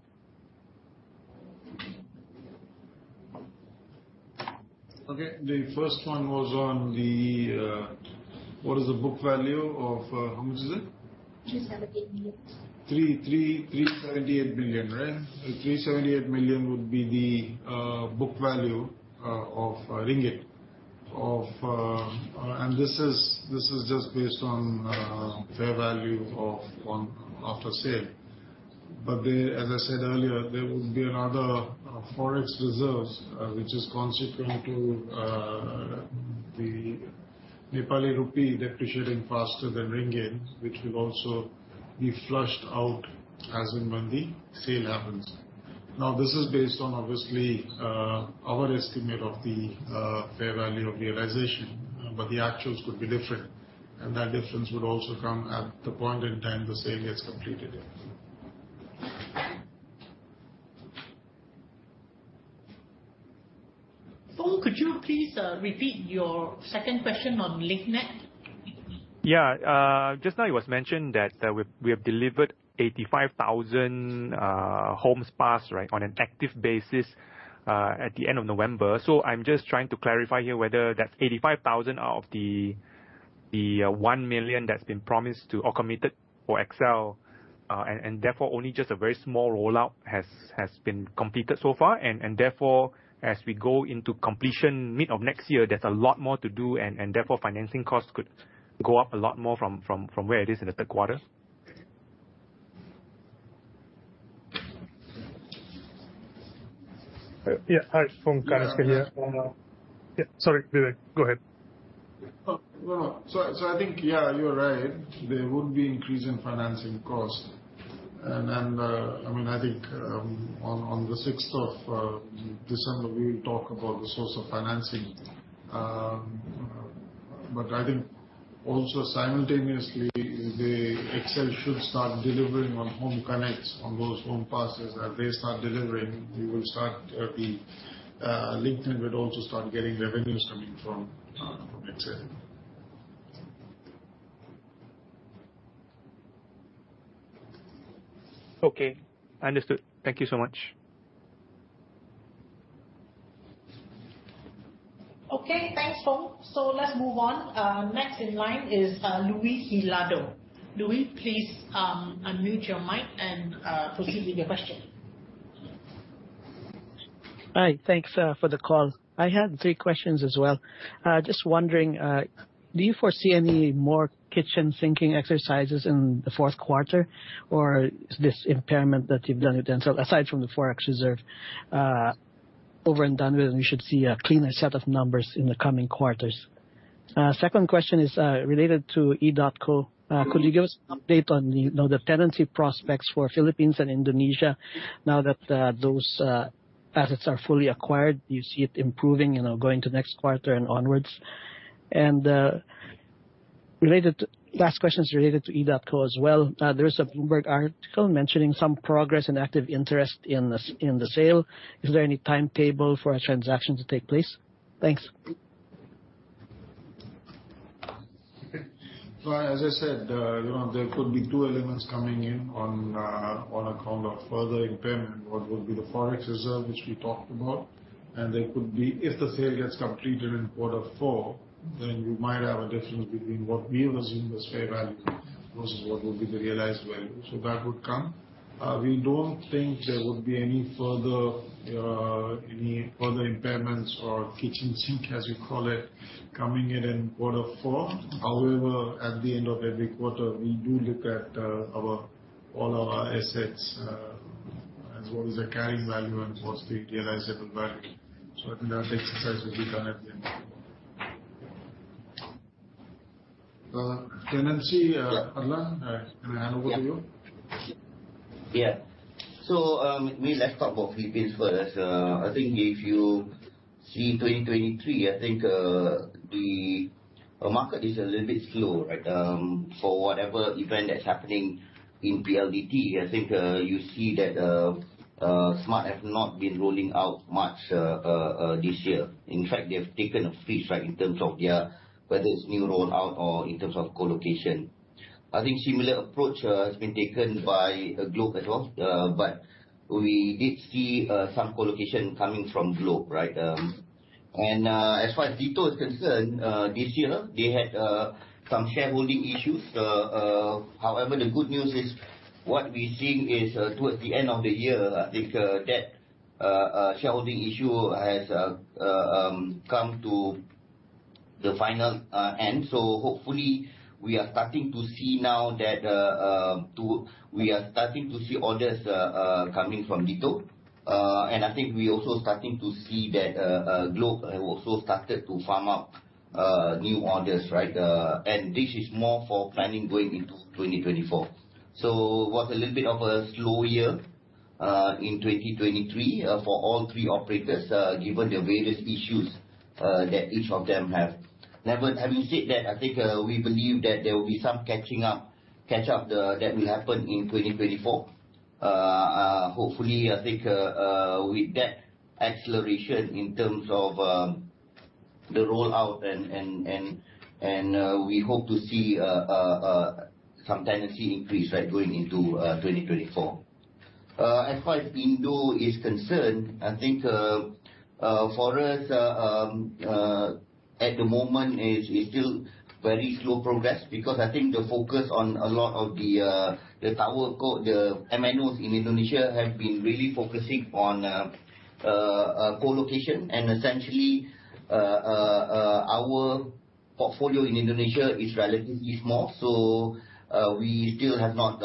Okay, the first one was on the, what is the book value of... How much is it? 378 million. 378 million, right? 378 million would be the book value of ringgit. And this is just based on fair value on after sale. But there, as I said earlier, there would be another Forex reserves, which is consequent to the Nepali rupee depreciating faster than ringgit, which will also be flushed out as and when the sale happens. Now, this is based on obviously our estimate of the fair value of realization, but the actuals could be different, and that difference would also come at the point in time the sale gets completed. Phoon, could you please repeat your second question on Link Net? Yeah. Just now it was mentioned that we have delivered 85,000 HomePass, right, on an active basis at the end of November. So I'm just trying to clarify here whether that's 85,000 out of the 1,000,000 that's been promised to or committed for XL. And therefore, only just a very small rollout has been completed so far. And therefore, as we go into completion mid of next year, there's a lot more to do, and therefore, financing costs could go up a lot more from where it is in the third quarter. Yeah. Hi, from Kanaskia. Yeah. Sorry, Vivek, go ahead. Oh, no, no. So, I think, yeah, you're right. There would be increase in financing cost. And then, I mean, I think, on the sixth of December, we will talk about the source of financing. But I think also simultaneously, the XL should start delivering on home connects on those home passes. As they start delivering, we will start, Link Net will also start getting revenues coming from, from XL. Okay, understood. Thank you so much. Okay, thanks, Fung. So let's move on. Next in line is Luis Hilado. Louis, please, unmute your mic and proceed with your question. Hi. Thanks, for the call. I had three questions as well. Just wondering, do you foresee any more kitchen sinking exercises in the fourth quarter, or is this impairment that you've done with edotco, aside from the forex reserve, over and done with, and we should see a cleaner set of numbers in the coming quarters? Second question is, related to edotco. Mm-hmm. Could you give us an update on the, you know, the tenancy prospects for Philippines and Indonesia now that those assets are fully acquired? Do you see it improving, you know, going to next quarter and onwards? And related to... Last question is related to edotco as well. There is a Bloomberg article mentioning some progress and active interest in the sale. Is there any timetable for a transaction to take place? Thanks. Well, as I said, you know, there could be two elements coming in on account of further impairment. What would be the ForEx reserve, which we talked about, and there could be... If the sale gets completed in quarter four, then we might have a difference between what we assume is fair value versus what will be the realized value. So that would come. We don't think there would be any further impairments or kitchen sink, as you call it, coming in in quarter four. However, at the end of every quarter, we do look at all our assets as well as the carrying value and what's the realizable value. So I think that exercise will be done at the end. Adlan, may I hand over to you? Yeah. So, may I start about Philippines first. I think if you see 2023, I think the market is a little bit slow, right? For whatever event that's happening in PLDT, I think you see that Smart have not been rolling out much this year. In fact, they have taken a freeze, right, in terms of their, whether it's new rollout or in terms of co-location. I think similar approach has been taken by Globe as well. But we did see some co-location coming from Globe, right? And as far as DITO is concerned, this year, they had some shareholding issues. However, the good news is, what we're seeing is, towards the end of the year, I think, that shareholding issue has come to the final end. So hopefully, we are starting to see now that. We are starting to see orders coming from DITO. And I think we're also starting to see that, Globe have also started to farm out new orders, right? And this is more for planning going into 2024. So it was a little bit of a slow year in 2023 for all three operators, given the various issues that each of them have. Nevertheless, having said that, I think we believe that there will be some catching up that will happen in 2024. Hopefully, I think, with that acceleration in terms of the rollout and we hope to see some tenancy increase, right, going into 2024. As far as Indo is concerned, I think for us at the moment is, it's still very slow progress, because I think the focus on a lot of the tower co, the MNOs in Indonesia have been really focusing on co-location. And essentially our portfolio in Indonesia is relatively small, so we still have not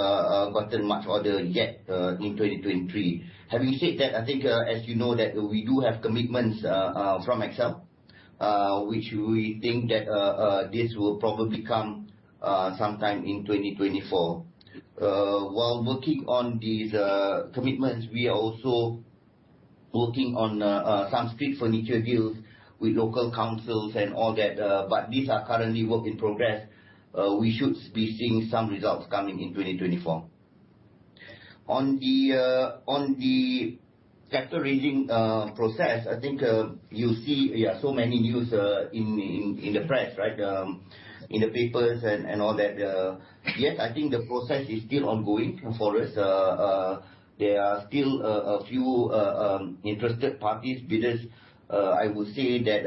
gotten much order yet in 2023. Having said that, I think, as you know, that we do have commitments from XL, which we think that this will probably come sometime in 2024. While working on these commitments, we are also working on some street furniture deals with local councils and all that, but these are currently work in progress. We should be seeing some results coming in 2024. On the capital raising process, I think you see, yeah, so many news in the press, right? In the papers and all that. Yes, I think the process is still ongoing for us. There are still a few interested parties, bidders. I would say that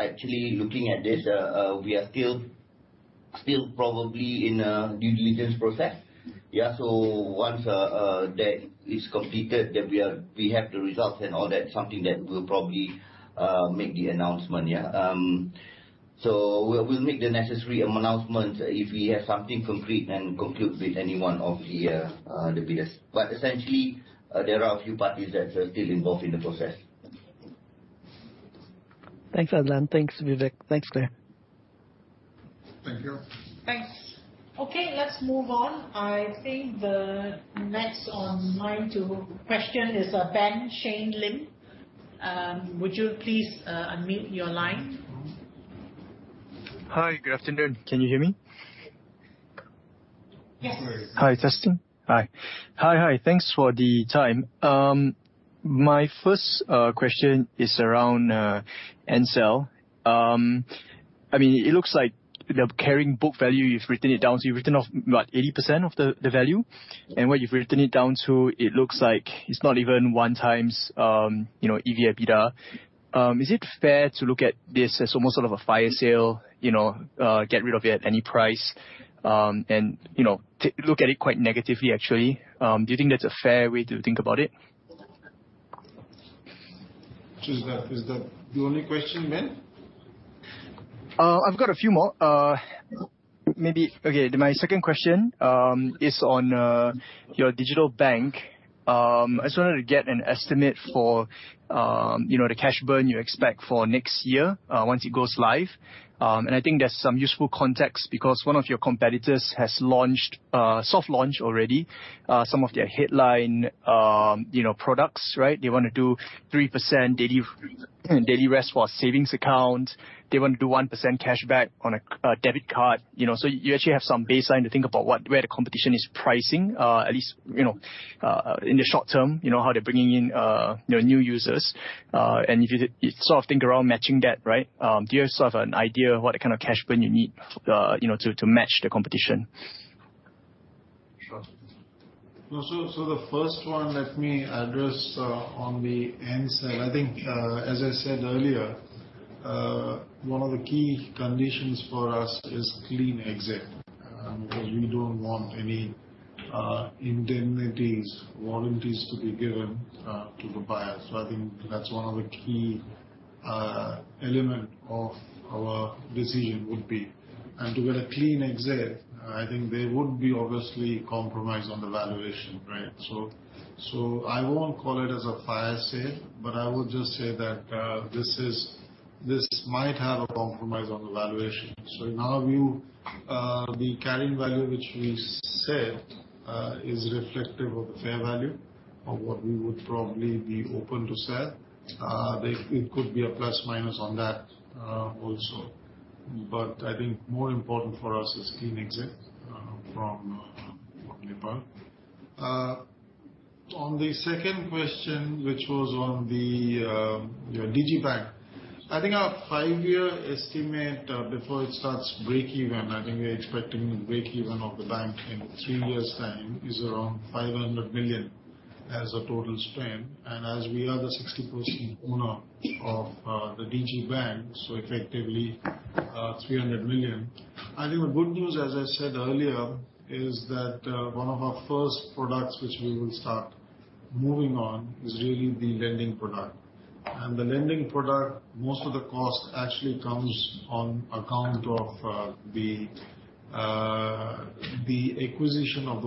actually looking at this, we are still-... Still probably in a due diligence process. Yeah, so once that is completed, then we have the results and all that, something that we'll probably make the announcement. Yeah. So we'll make the necessary announcements if we have something concrete and conclude with any one of the bidders. But essentially, there are a few parties that are still involved in the process. Thanks, Adlan. Thanks, Vivek. Thanks, Clare. Thank you. Thanks. Okay, let's move on. I think the next one online to question is Ben Shane Lim. Would you please unmute your line? Hi, good afternoon. Can you hear me? Yes. Hi, testing. Hi. Hi. Hi, thanks for the time. My first question is around Ncell. I mean, it looks like the carrying book value, you've written it down, so you've written off, what, 80% of the value? And what you've written it down to, it looks like it's not even one times, you know, EV/EBITDA. Is it fair to look at this as almost sort of a fire sale, you know, get rid of it at any price, and, you know, to look at it quite negatively, actually? Do you think that's a fair way to think about it? Is that, is that the only question, Ben? I've got a few more. Okay, my second question is on your digital bank. I just wanted to get an estimate for, you know, the cash burn you expect for next year, once it goes live. And I think there's some useful context because one of your competitors has launched soft launch already some of their headline, you know, products, right? They wanna do 3% daily daily rest for savings accounts. They want to do 1% cashback on a debit card, you know. So you actually have some baseline to think about what where the competition is pricing, at least, you know, in the short term, you know, how they're bringing in, you know, new users. If you sort of think around matching that, right, do you have sort of an idea of what kind of cash burn you need, you know, to match the competition? Sure. So the first one, let me address on the Ncell. I think, as I said earlier, one of the key conditions for us is clean exit, because we don't want any indemnities, warranties to be given to the buyer. So I think that's one of the key element of our decision would be. And to get a clean exit, I think there would be obviously compromise on the valuation, right? So I won't call it as a fire sale, but I would just say that, this is, this might have a compromise on the valuation. So in our view, the carrying value, which we said, is reflective of the fair value of what we would probably be open to sell, they, it could be a plus, minus on that, also. But I think more important for us is clean exit from Nepal. On the second question, which was on your Digi Bank, I think our 5-year estimate before it starts breakeven, I think we're expecting breakeven of the bank in 3 years' time, is around 500 million as a total spend, and as we are the 60% owner of the Digi Bank, so effectively 300 million. I think the good news, as I said earlier, is that one of our first products which we will start moving on, is really the lending product. And the lending product, most of the cost actually comes on account of the acquisition of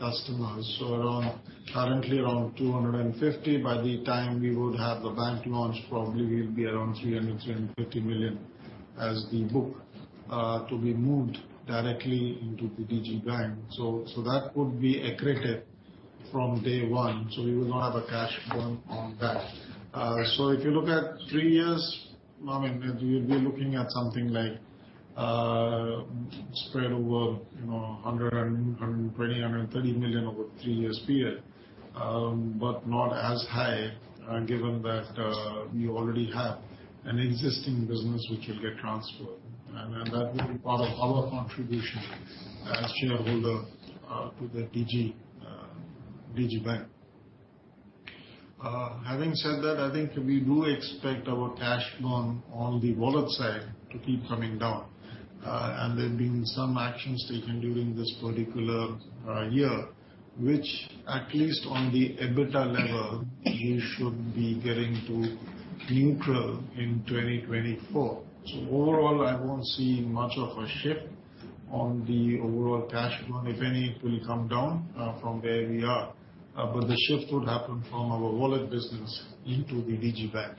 those customers. So around, currently around 250. By the time we would have the bank launched, probably will be around 300 million-350 million as the book to be moved directly into the Digi Bank. So, so that would be accreted from day one, so we will not have a cash burn on that. So if you look at three years, I mean, we'll be looking at something like, spread over, you know, 100 million and 120 million, 130 million over a three-year period, but not as high, given that, we already have an existing business which will get transferred, and, and that will be part of our contribution as shareholder, to the Digi, Digi Bank. Having said that, I think we do expect our cash burn on the wallet side to keep coming down, and there have been some actions taken during this particular year, which at least on the EBITDA level, we should be getting to neutral in 2024. So overall, I won't see much of a shift on the overall cash burn. If any, it will come down from where we are, but the shift would happen from our wallet business into the Digi Bank.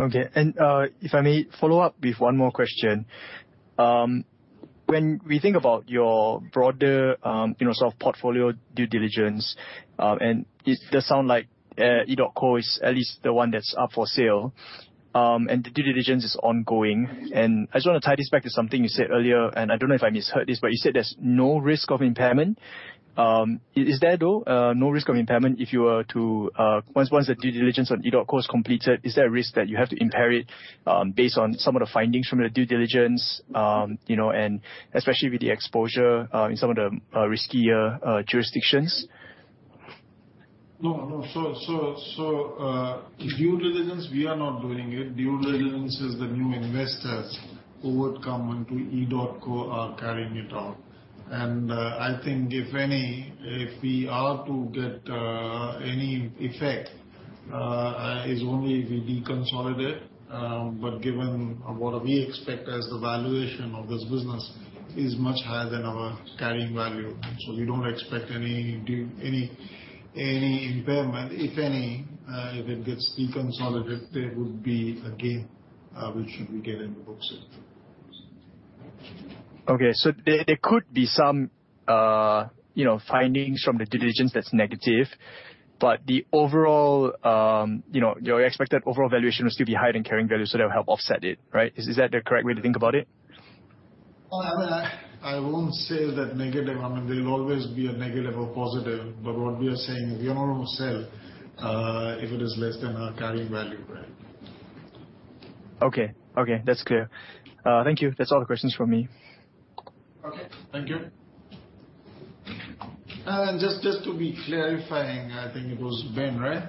Okay. And, if I may follow up with one more question. When we think about your broader, you know, sort of portfolio due diligence, and it does sound like, edotco is at least the one that's up for sale, and the due diligence is ongoing. And I just want to tie this back to something you said earlier, and I don't know if I misheard this, but you said there's no risk of impairment. Is there, though, no risk of impairment if you were to, once the due diligence on edotco is completed, is there a risk that you have to impair it, based on some of the findings from the due diligence? You know, and especially with the exposure, in some of the, riskier, jurisdictions?... No, no. So, due diligence, we are not doing it. Due diligence is the new investors who would come into edotco are carrying it out. And, I think if any, if we are to get, any effect is only if we deconsolidate. But given what we expect as the valuation of this business is much higher than our carrying value, so we don't expect any – any impairment. If any, if it gets deconsolidated, there would be a gain, which we get in the books. Okay. So there could be some, you know, findings from the diligence that's negative, but the overall, you know, your expected overall valuation will still be higher than carrying value, so that will help offset it, right? Is that the correct way to think about it? Well, I mean, I won't say that negative. I mean, there will always be a negative or positive, but what we are saying, we are on sale, if it is less than our carrying value, right? Okay. Okay, that's clear. Thank you. That's all the questions from me. Okay, thank you. And just, just to be clarifying, I think it was Ben, right?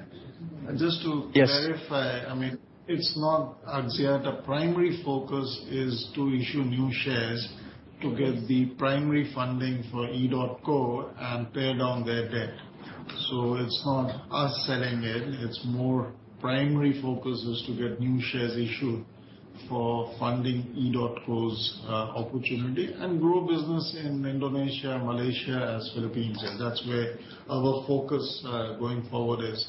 Yes. Just to clarify, I mean, it's not Axiata. Primary focus is to issue new shares to get the primary funding for edotco and pay down their debt. So it's not us selling it, it's more primary focus is to get new shares issued for funding edotco's opportunity and grow business in Indonesia, Malaysia, as Philippines, and that's where our focus going forward is.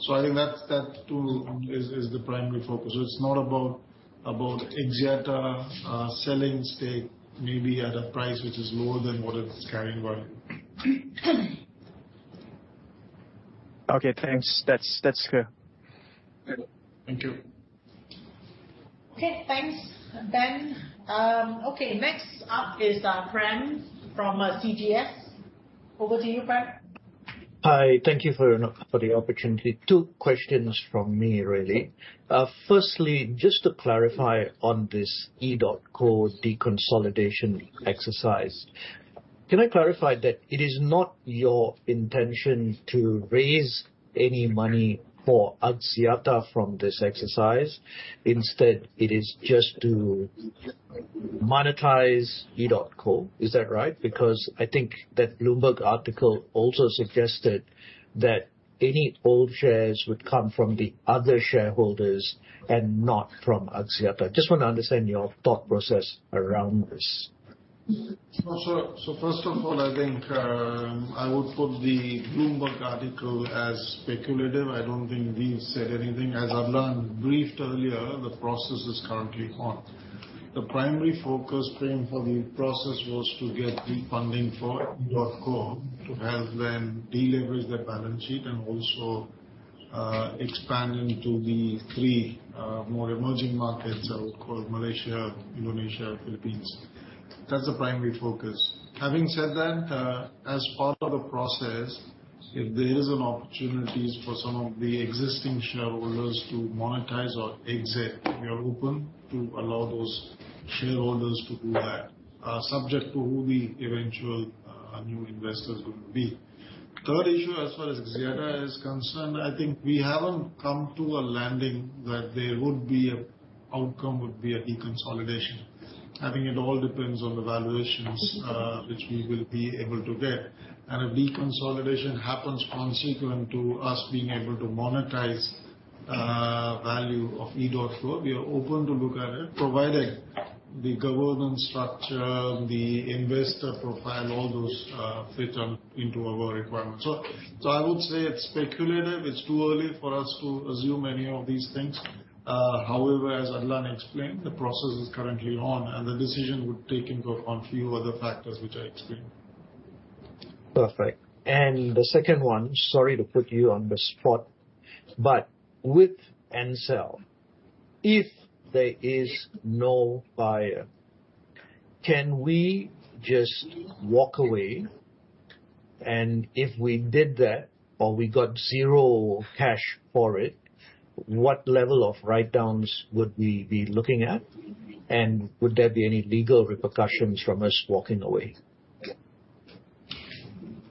So I think that, that too, is, is the primary focus. So it's not about, about Axiata selling stake maybe at a price which is lower than what it's carrying value. Okay, thanks. That's, that's clear. Thank you. Okay, thanks, Ben. Okay, next up is Prem from CGS. Over to you, Prem. Hi, thank you for the opportunity. Two questions from me really. Firstly, just to clarify on this edotco deconsolidation exercise. Can I clarify that it is not your intention to raise any money for Axiata from this exercise? Instead, it is just to monetize edotco. Is that right? Because I think that Bloomberg article also suggested that any old shares would come from the other shareholders and not from Axiata. Just want to understand your thought process around this. So first of all, I think, I would put the Bloomberg article as speculative. I don't think we said anything. As Adlan briefed earlier, the process is currently on. The primary focus, Prem, for the process was to get the funding for edotco, to help them deleverage their balance sheet and also expand into the three more emerging markets, I would call Malaysia, Indonesia, Philippines. That's the primary focus. Having said that, as part of the process, if there is an opportunities for some of the existing shareholders to monetize or exit, we are open to allow those shareholders to do that, subject to who the eventual new investors would be. Third issue, as far as Axiata is concerned, I think we haven't come to a landing that there would be a outcome would be a deconsolidation. I think it all depends on the valuations, which we will be able to get. And if deconsolidation happens consequent to us being able to monetize, value of edotco, we are open to look at it, provided the governance structure, the investor profile, all those, fit on into our requirements. So, so I would say it's speculative. It's too early for us to assume any of these things. However, as Adlan explained, the process is currently on, and the decision would take into on a few other factors, which I explained. Perfect. And the second one, sorry to put you on the spot, but with Ncell, if there is no buyer, can we just walk away? And if we did that, or we got zero cash for it, what level of write-downs would we be looking at? And would there be any legal repercussions from us walking away?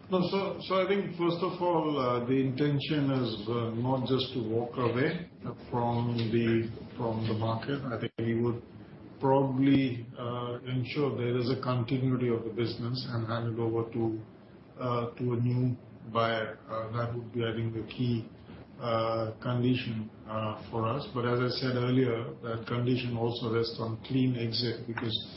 No. So I think first of all, the intention is not just to walk away from the market. I think we would probably ensure there is a continuity of the business and hand it over to a new buyer. That would be, I think, the key condition for us. But as I said earlier, that condition also rests on clean exit, because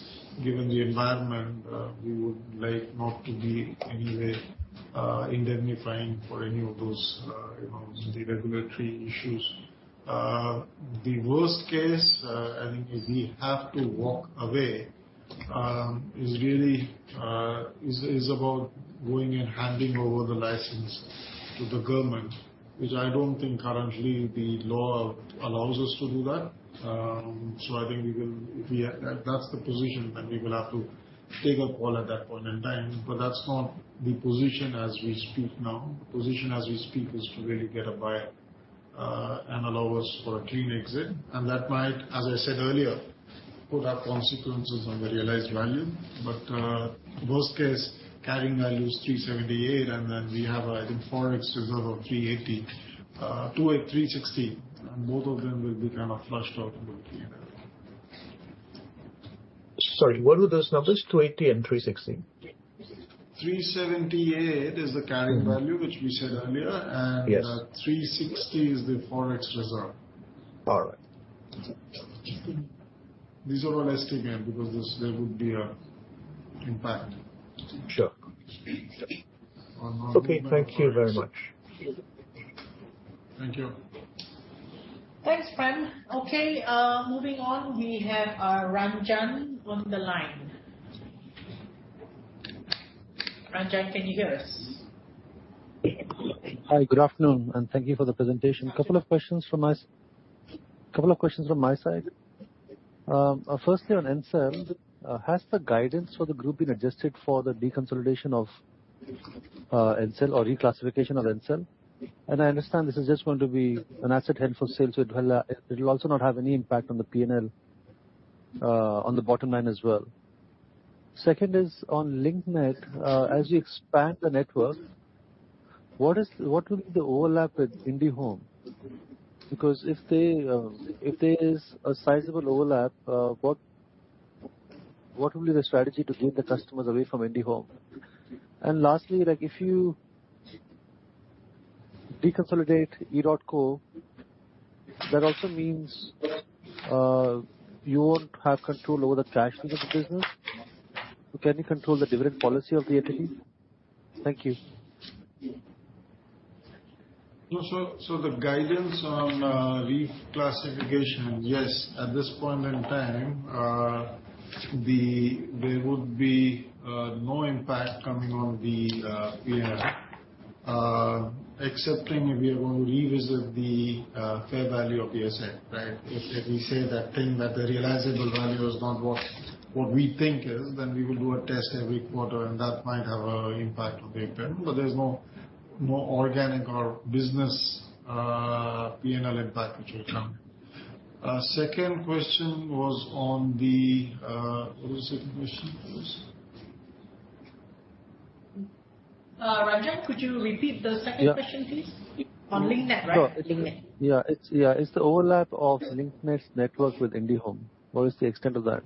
given the environment, we would like not to be any way indemnifying for any of those, you know, the regulatory issues. The worst case, I think if we have to walk away, is really about going and handing over the license to the government, which I don't think currently the law allows us to do that. So I think we will... That's the position, then we will have to take a call at that point in time, but that's not the position as we speak now. The position as we speak is to really get a buyer, and allow us for a clean exit. And that might, as I said earlier, put up consequences on the realized value. But, worst case, carrying value is $378, and then we have, I think, Forex reserve of $380, $280, $360, and both of them will be kind of flushed out with the PNL. Sorry, what were those numbers? 280 and 360. 378 is the carrying value, which we said earlier. Yes. 360 is the Forex reserve. All right. These are all estimated, because this, there would be an impact. Sure. On our- Okay, thank you very much. Thank you. Thanks, Prem. Okay, moving on, we have Ranjan on the line. Ranjan, can you hear us? Hi, good afternoon, and thank you for the presentation. A couple of questions from us. A couple of questions from my side. Firstly, on Ncell, has the guidance for the group been adjusted for the deconsolidation of Ncell or reclassification of Ncell? And I understand this is just going to be an asset held for sale, so it will also not have any impact on the PNL on the bottom line as well. Second is on Link Net. As you expand the network, what will be the overlap with IndiHome? Because if there is a sizable overlap, what will be the strategy to keep the customers away from IndiHome? And lastly, like, if you deconsolidate edotco, that also means you won't have control over the cash flow of the business. Can you control the dividend policy of the entity? Thank you. No, so, so the guidance on reclassification, yes, at this point in time, the. There would be no impact coming on the PNL. Excepting if we are going to revisit the fair value of the asset, right? If we say that the realizable value is not what we think is, then we will do a test every quarter, and that might have a impact on the PNL, but there's no, no organic or business PNL impact, which will come. Second question was on the... What was the second question? Ranjan, could you repeat the second question, please? Yeah. On Link Net, right? Sure. Link Net. Yeah, it's, yeah, it's the overlap of Link Net's network with IndiHome. What is the extent of that?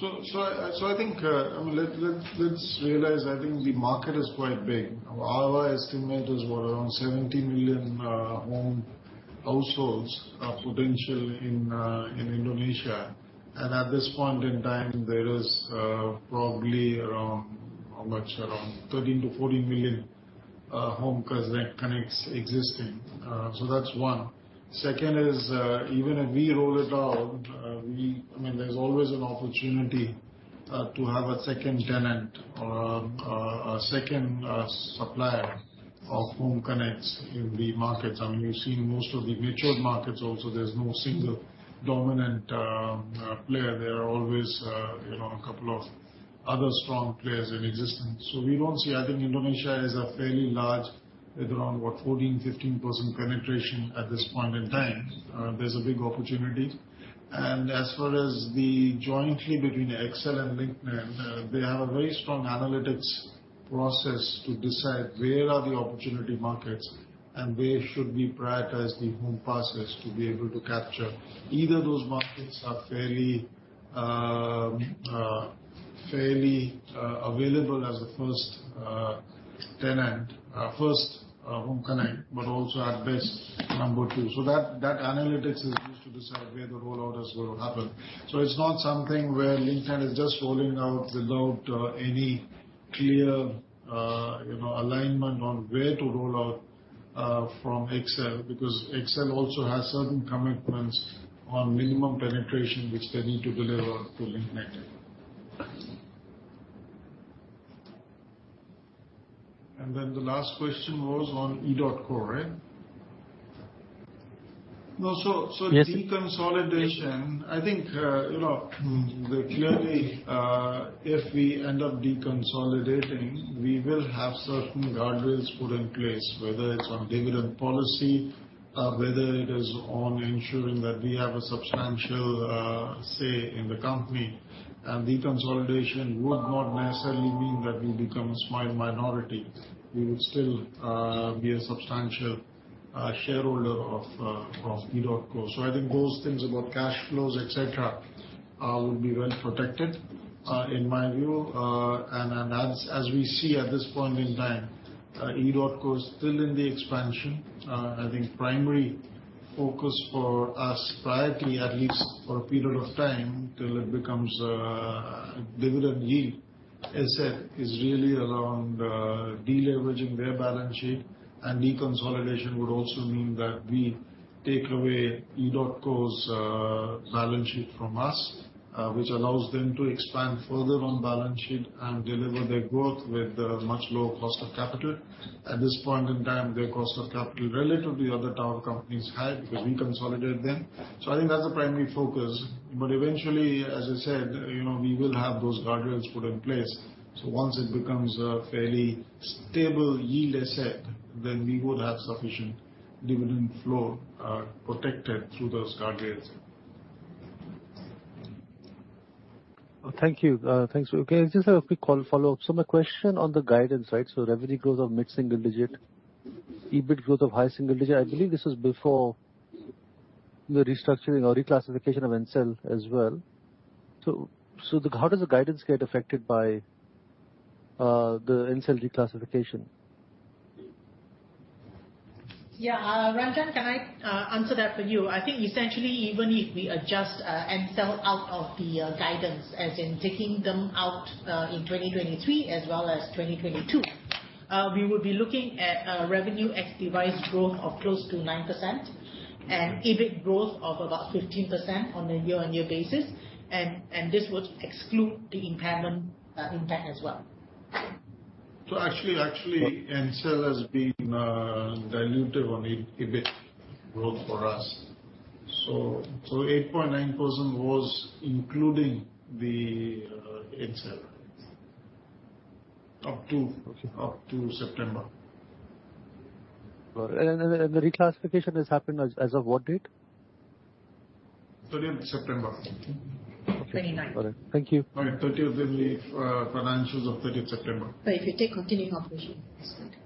So I think, I mean, let's realize, I think the market is quite big. Our estimate is around 70 million home households are potential in Indonesia. And at this point in time, there is probably around 13-14 million home connects existing. So that's one. Second is, even if we roll it out, we... I mean, there's always an opportunity to have a second tenant or a second supplier of home connects in the markets. I mean, you see most of the matured markets also, there's no single dominant player. There are always, you know, a couple of other strong players in existence. So we don't see, I think Indonesia is a fairly large, with around what, 14%-15% penetration at this point in time. There's a big opportunity. And as far as the jointly between XL and Link Net, they have a very strong analytics process to decide where are the opportunity markets and where should we prioritize the home passes to be able to capture. Either those markets are fairly, fairly, available as the first tenant, first home connect, but also at best, number two. So that, that analytics is used to decide where the rollout is going to happen. So it's not something where Link Net is just rolling out without any clear, you know, alignment on where to roll out from XL. Because XL also has certain commitments on minimum penetration, which they need to deliver to Link Net. Then the last question was on edotco, right? No, so- Yes. Deconsolidation, I think, you know, clearly, if we end up deconsolidating, we will have certain guardrails put in place, whether it's on dividend policy, whether it is on ensuring that we have a substantial, say, in the company. And deconsolidation would not necessarily mean that we become a small minority. We would still, be a substantial, shareholder of, of edotco. So I think those things about cash flows, et cetera, would be well protected, in my view. And, as we see at this point in time, edotco is still in the expansion. I think primary focus for us priority, at least for a period of time, till it becomes a dividend yield asset, is really around, deleveraging their balance sheet. And deconsolidation would also mean that we take away edotco's balance sheet from us, which allows them to expand further on balance sheet and deliver their growth with a much lower cost of capital. At this point in time, their cost of capital relative to the other tower companies is high, because we consolidate them. So I think that's the primary focus. But eventually, as I said, you know, we will have those guardrails put in place. So once it becomes a fairly stable yield asset, then we would have sufficient dividend flow protected through those guardrails.... Thank you. Thanks. Okay, I just have a quick call follow-up. So my question on the guidance, right, so revenue growth of mid-single digit, EBIT growth of high single digit. I believe this is before the restructuring or reclassification of Ncell as well. So, so the, how does the guidance get affected by, the Ncell reclassification? Yeah, Ranjan, can I answer that for you? I think essentially, even if we adjust Ncell out of the guidance, as in taking them out in 2023 as well as 2022, we would be looking at a revenue ex-device growth of close to 9% and EBIT growth of about 15% on a year-on-year basis. And, and this would exclude the impairment impact as well. So actually, Ncell has been dilutive on EBIT growth for us. So 8.9% was including the Ncell, up to- Okay. Up to September. Got it. And then the reclassification has happened as of what date? Thirtieth September. Twenty-ninth. All right. Thank you. By 30th, in the financials of 30th September. But if you take continuing operation, that's good.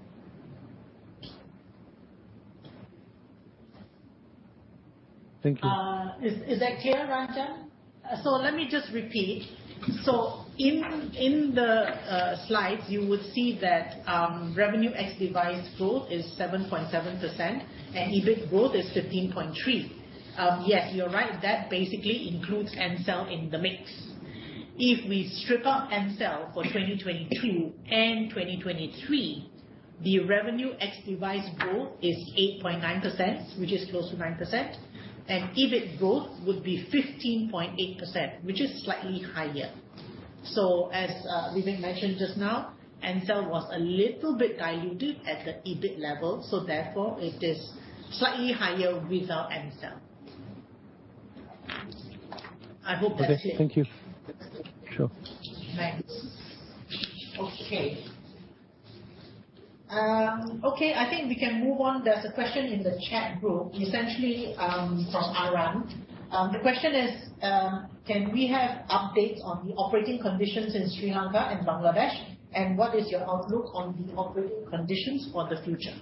Thank you. Is that clear, Ranjan? So let me just repeat. So in the slides, you would see that revenue ex-device growth is 7.7%, and EBIT growth is 15.3%. Yes, you're right, that basically includes Ncell in the mix. If we strip out Ncell for 2022 and 2023, the revenue ex-device growth is 8.9%, which is close to 9%, and EBIT growth would be 15.8%, which is slightly higher. So as Vivek mentioned just now, Ncell was a little bit diluted at the EBIT level, so therefore it is slightly higher without Ncell. I hope that's it. Okay. Thank you. Sure. Thanks. Okay, I think we can move on. There's a question in the chat group, essentially, from Aram. The question is: Can we have updates on the operating conditions in Sri Lanka and Bangladesh, and what is your outlook on the operating conditions for the future?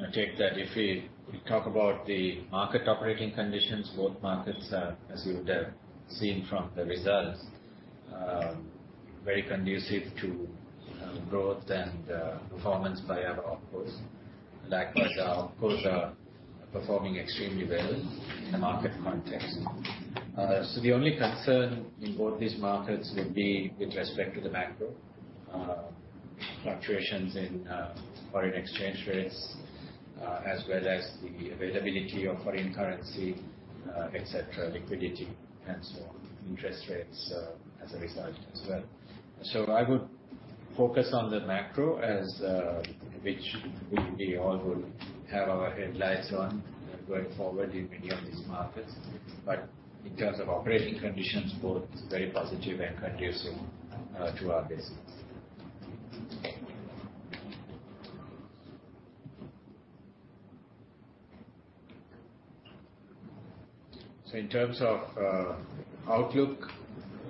Yeah, maybe I'll take that. If we talk about the market operating conditions, both markets are, as you would have seen from the results, very conducive to growth and performance by our op cos. Backed by our op cos are performing extremely well in the market context. So the only concern in both these markets would be with respect to the macro fluctuations in foreign exchange rates, as well as the availability of foreign currency, et cetera, liquidity and so on, interest rates, as a result as well. So I would focus on the macro as which we all would have our headlights on going forward in many of these markets. But in terms of operating conditions, both very positive and conducive to our business. In terms of outlook,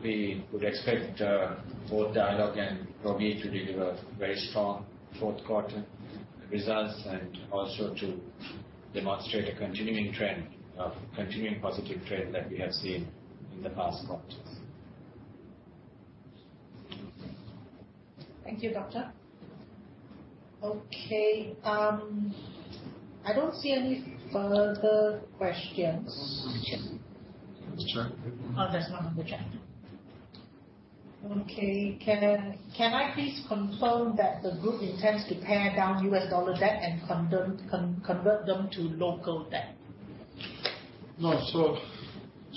we would expect both Dialog and Robi to deliver very strong fourth quarter results, and also to demonstrate a continuing positive trend that we have seen in the past quarters. Thank you, Doctor. Okay, I don't see any further questions. Let's check. Oh, there's none on the chat. Okay. Can I please confirm that the group intends to pare down U.S. dollar debt and convert them to local debt? No.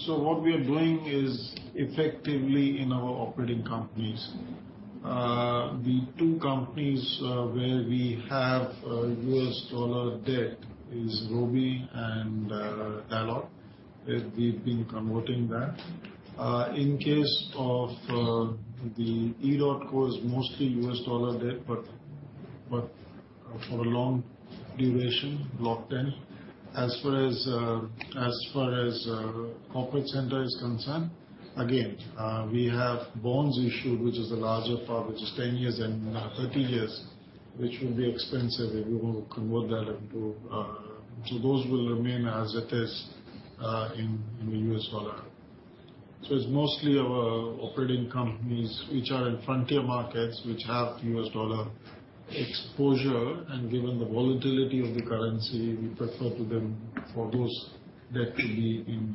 So what we are doing is effectively in our operating companies. The two companies, where we have U.S. dollar debt is Robi and Dialog. We've been converting that. In case of the edotco is mostly U.S. dollar debt, but for a long duration, locked in. As far as corporate center is concerned, again we have bonds issue, which is a larger part, which is 10 years and 30 years, which will be expensive if we will convert that into... So those will remain as it is in the U.S. dollar. So it's mostly our operating companies which are in frontier markets, which have U.S. dollar exposure, and given the volatility of the currency, we prefer to them for those debt to be in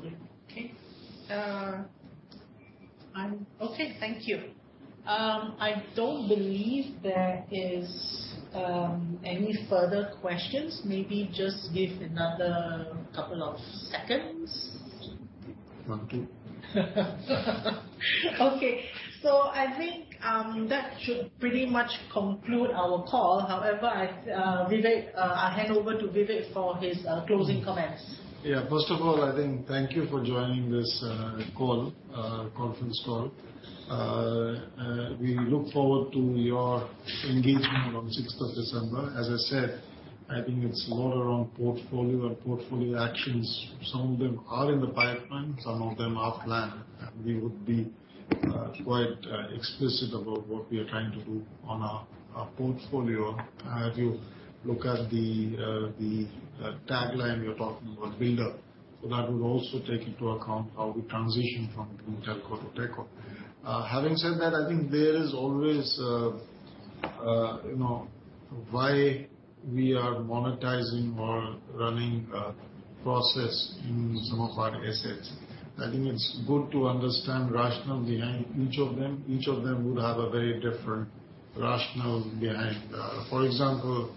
local currency. Okay. Okay. Okay, thank you. I don't believe there is any further questions. Maybe just give another couple of seconds. One, two. Okay. So I think, that should pretty much conclude our call. However, I, Vivek, I'll hand over to Vivek for his closing comments. Yeah. First of all, I think thank you for joining this conference call. We look forward to your engagement on sixth of December. As I said, I think it's more around portfolio and portfolio actions. Some of them are in the pipeline, some of them are planned, and we would be quite explicit about what we are trying to do on our portfolio. As you look at the tagline, we are talking about buildup, so that would also take into account how we transition from telco to techco. Having said that, I think there is always you know, why we are monetizing or running a process in some of our assets. I think it's good to understand rationale behind each of them. Each of them would have a very different rationale behind. For example,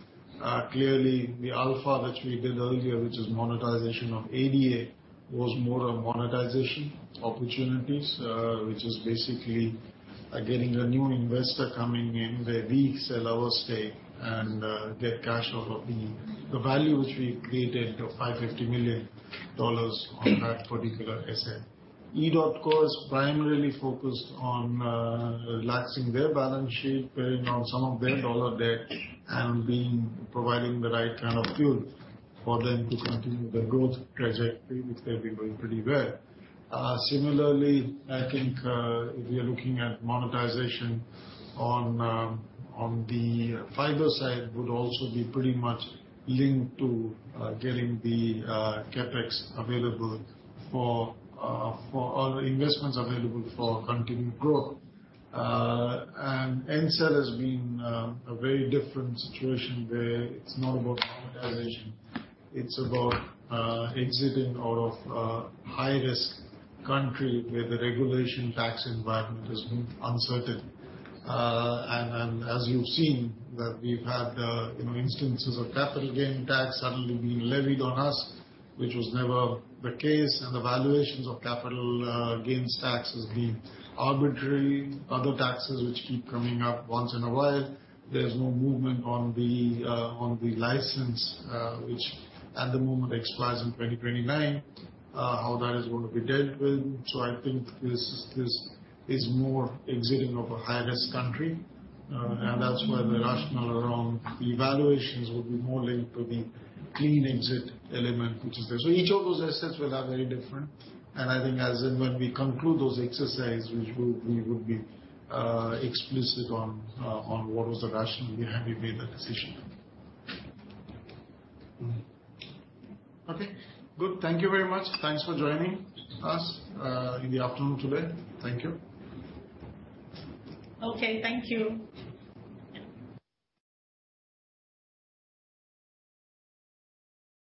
clearly, the alpha which we did earlier, which is monetization of ADA, was more on monetization opportunities, which is basically getting a new investor coming in, where we sell our stake and get cash off of the value which we created of $550 million on that particular asset. edotco is primarily focused on relaxing their balance sheet, paying on some of their dollar debt, and being providing the right kind of fuel for them to continue their growth trajectory, which they've been doing pretty well. Similarly, I think, if we are looking at monetization on, on the fiber side, would also be pretty much linked to getting the CapEx available for, for... or investments available for continued growth. And Ncell has been a very different situation where it's not about monetization, it's about exiting out of a high-risk country where the regulation tax environment has been uncertain. And as you've seen, that we've had you know instances of capital gain tax suddenly being levied on us, which was never the case, and the valuations of capital gains tax has been arbitrary. Other taxes which keep coming up once in a while, there's no movement on the license which at the moment expires in 2029, how that is going to be dealt with. So I think this is more exiting of a high-risk country and that's where the rationale around the valuations would be more linked to the clean exit element, which is there. So each of those assets will have very different, and I think as and when we conclude those exercises, which we would be explicit on what was the rationale behind we made that decision. Okay, good. Thank you very much. Thanks for joining us in the afternoon today. Thank you. Okay, thank you.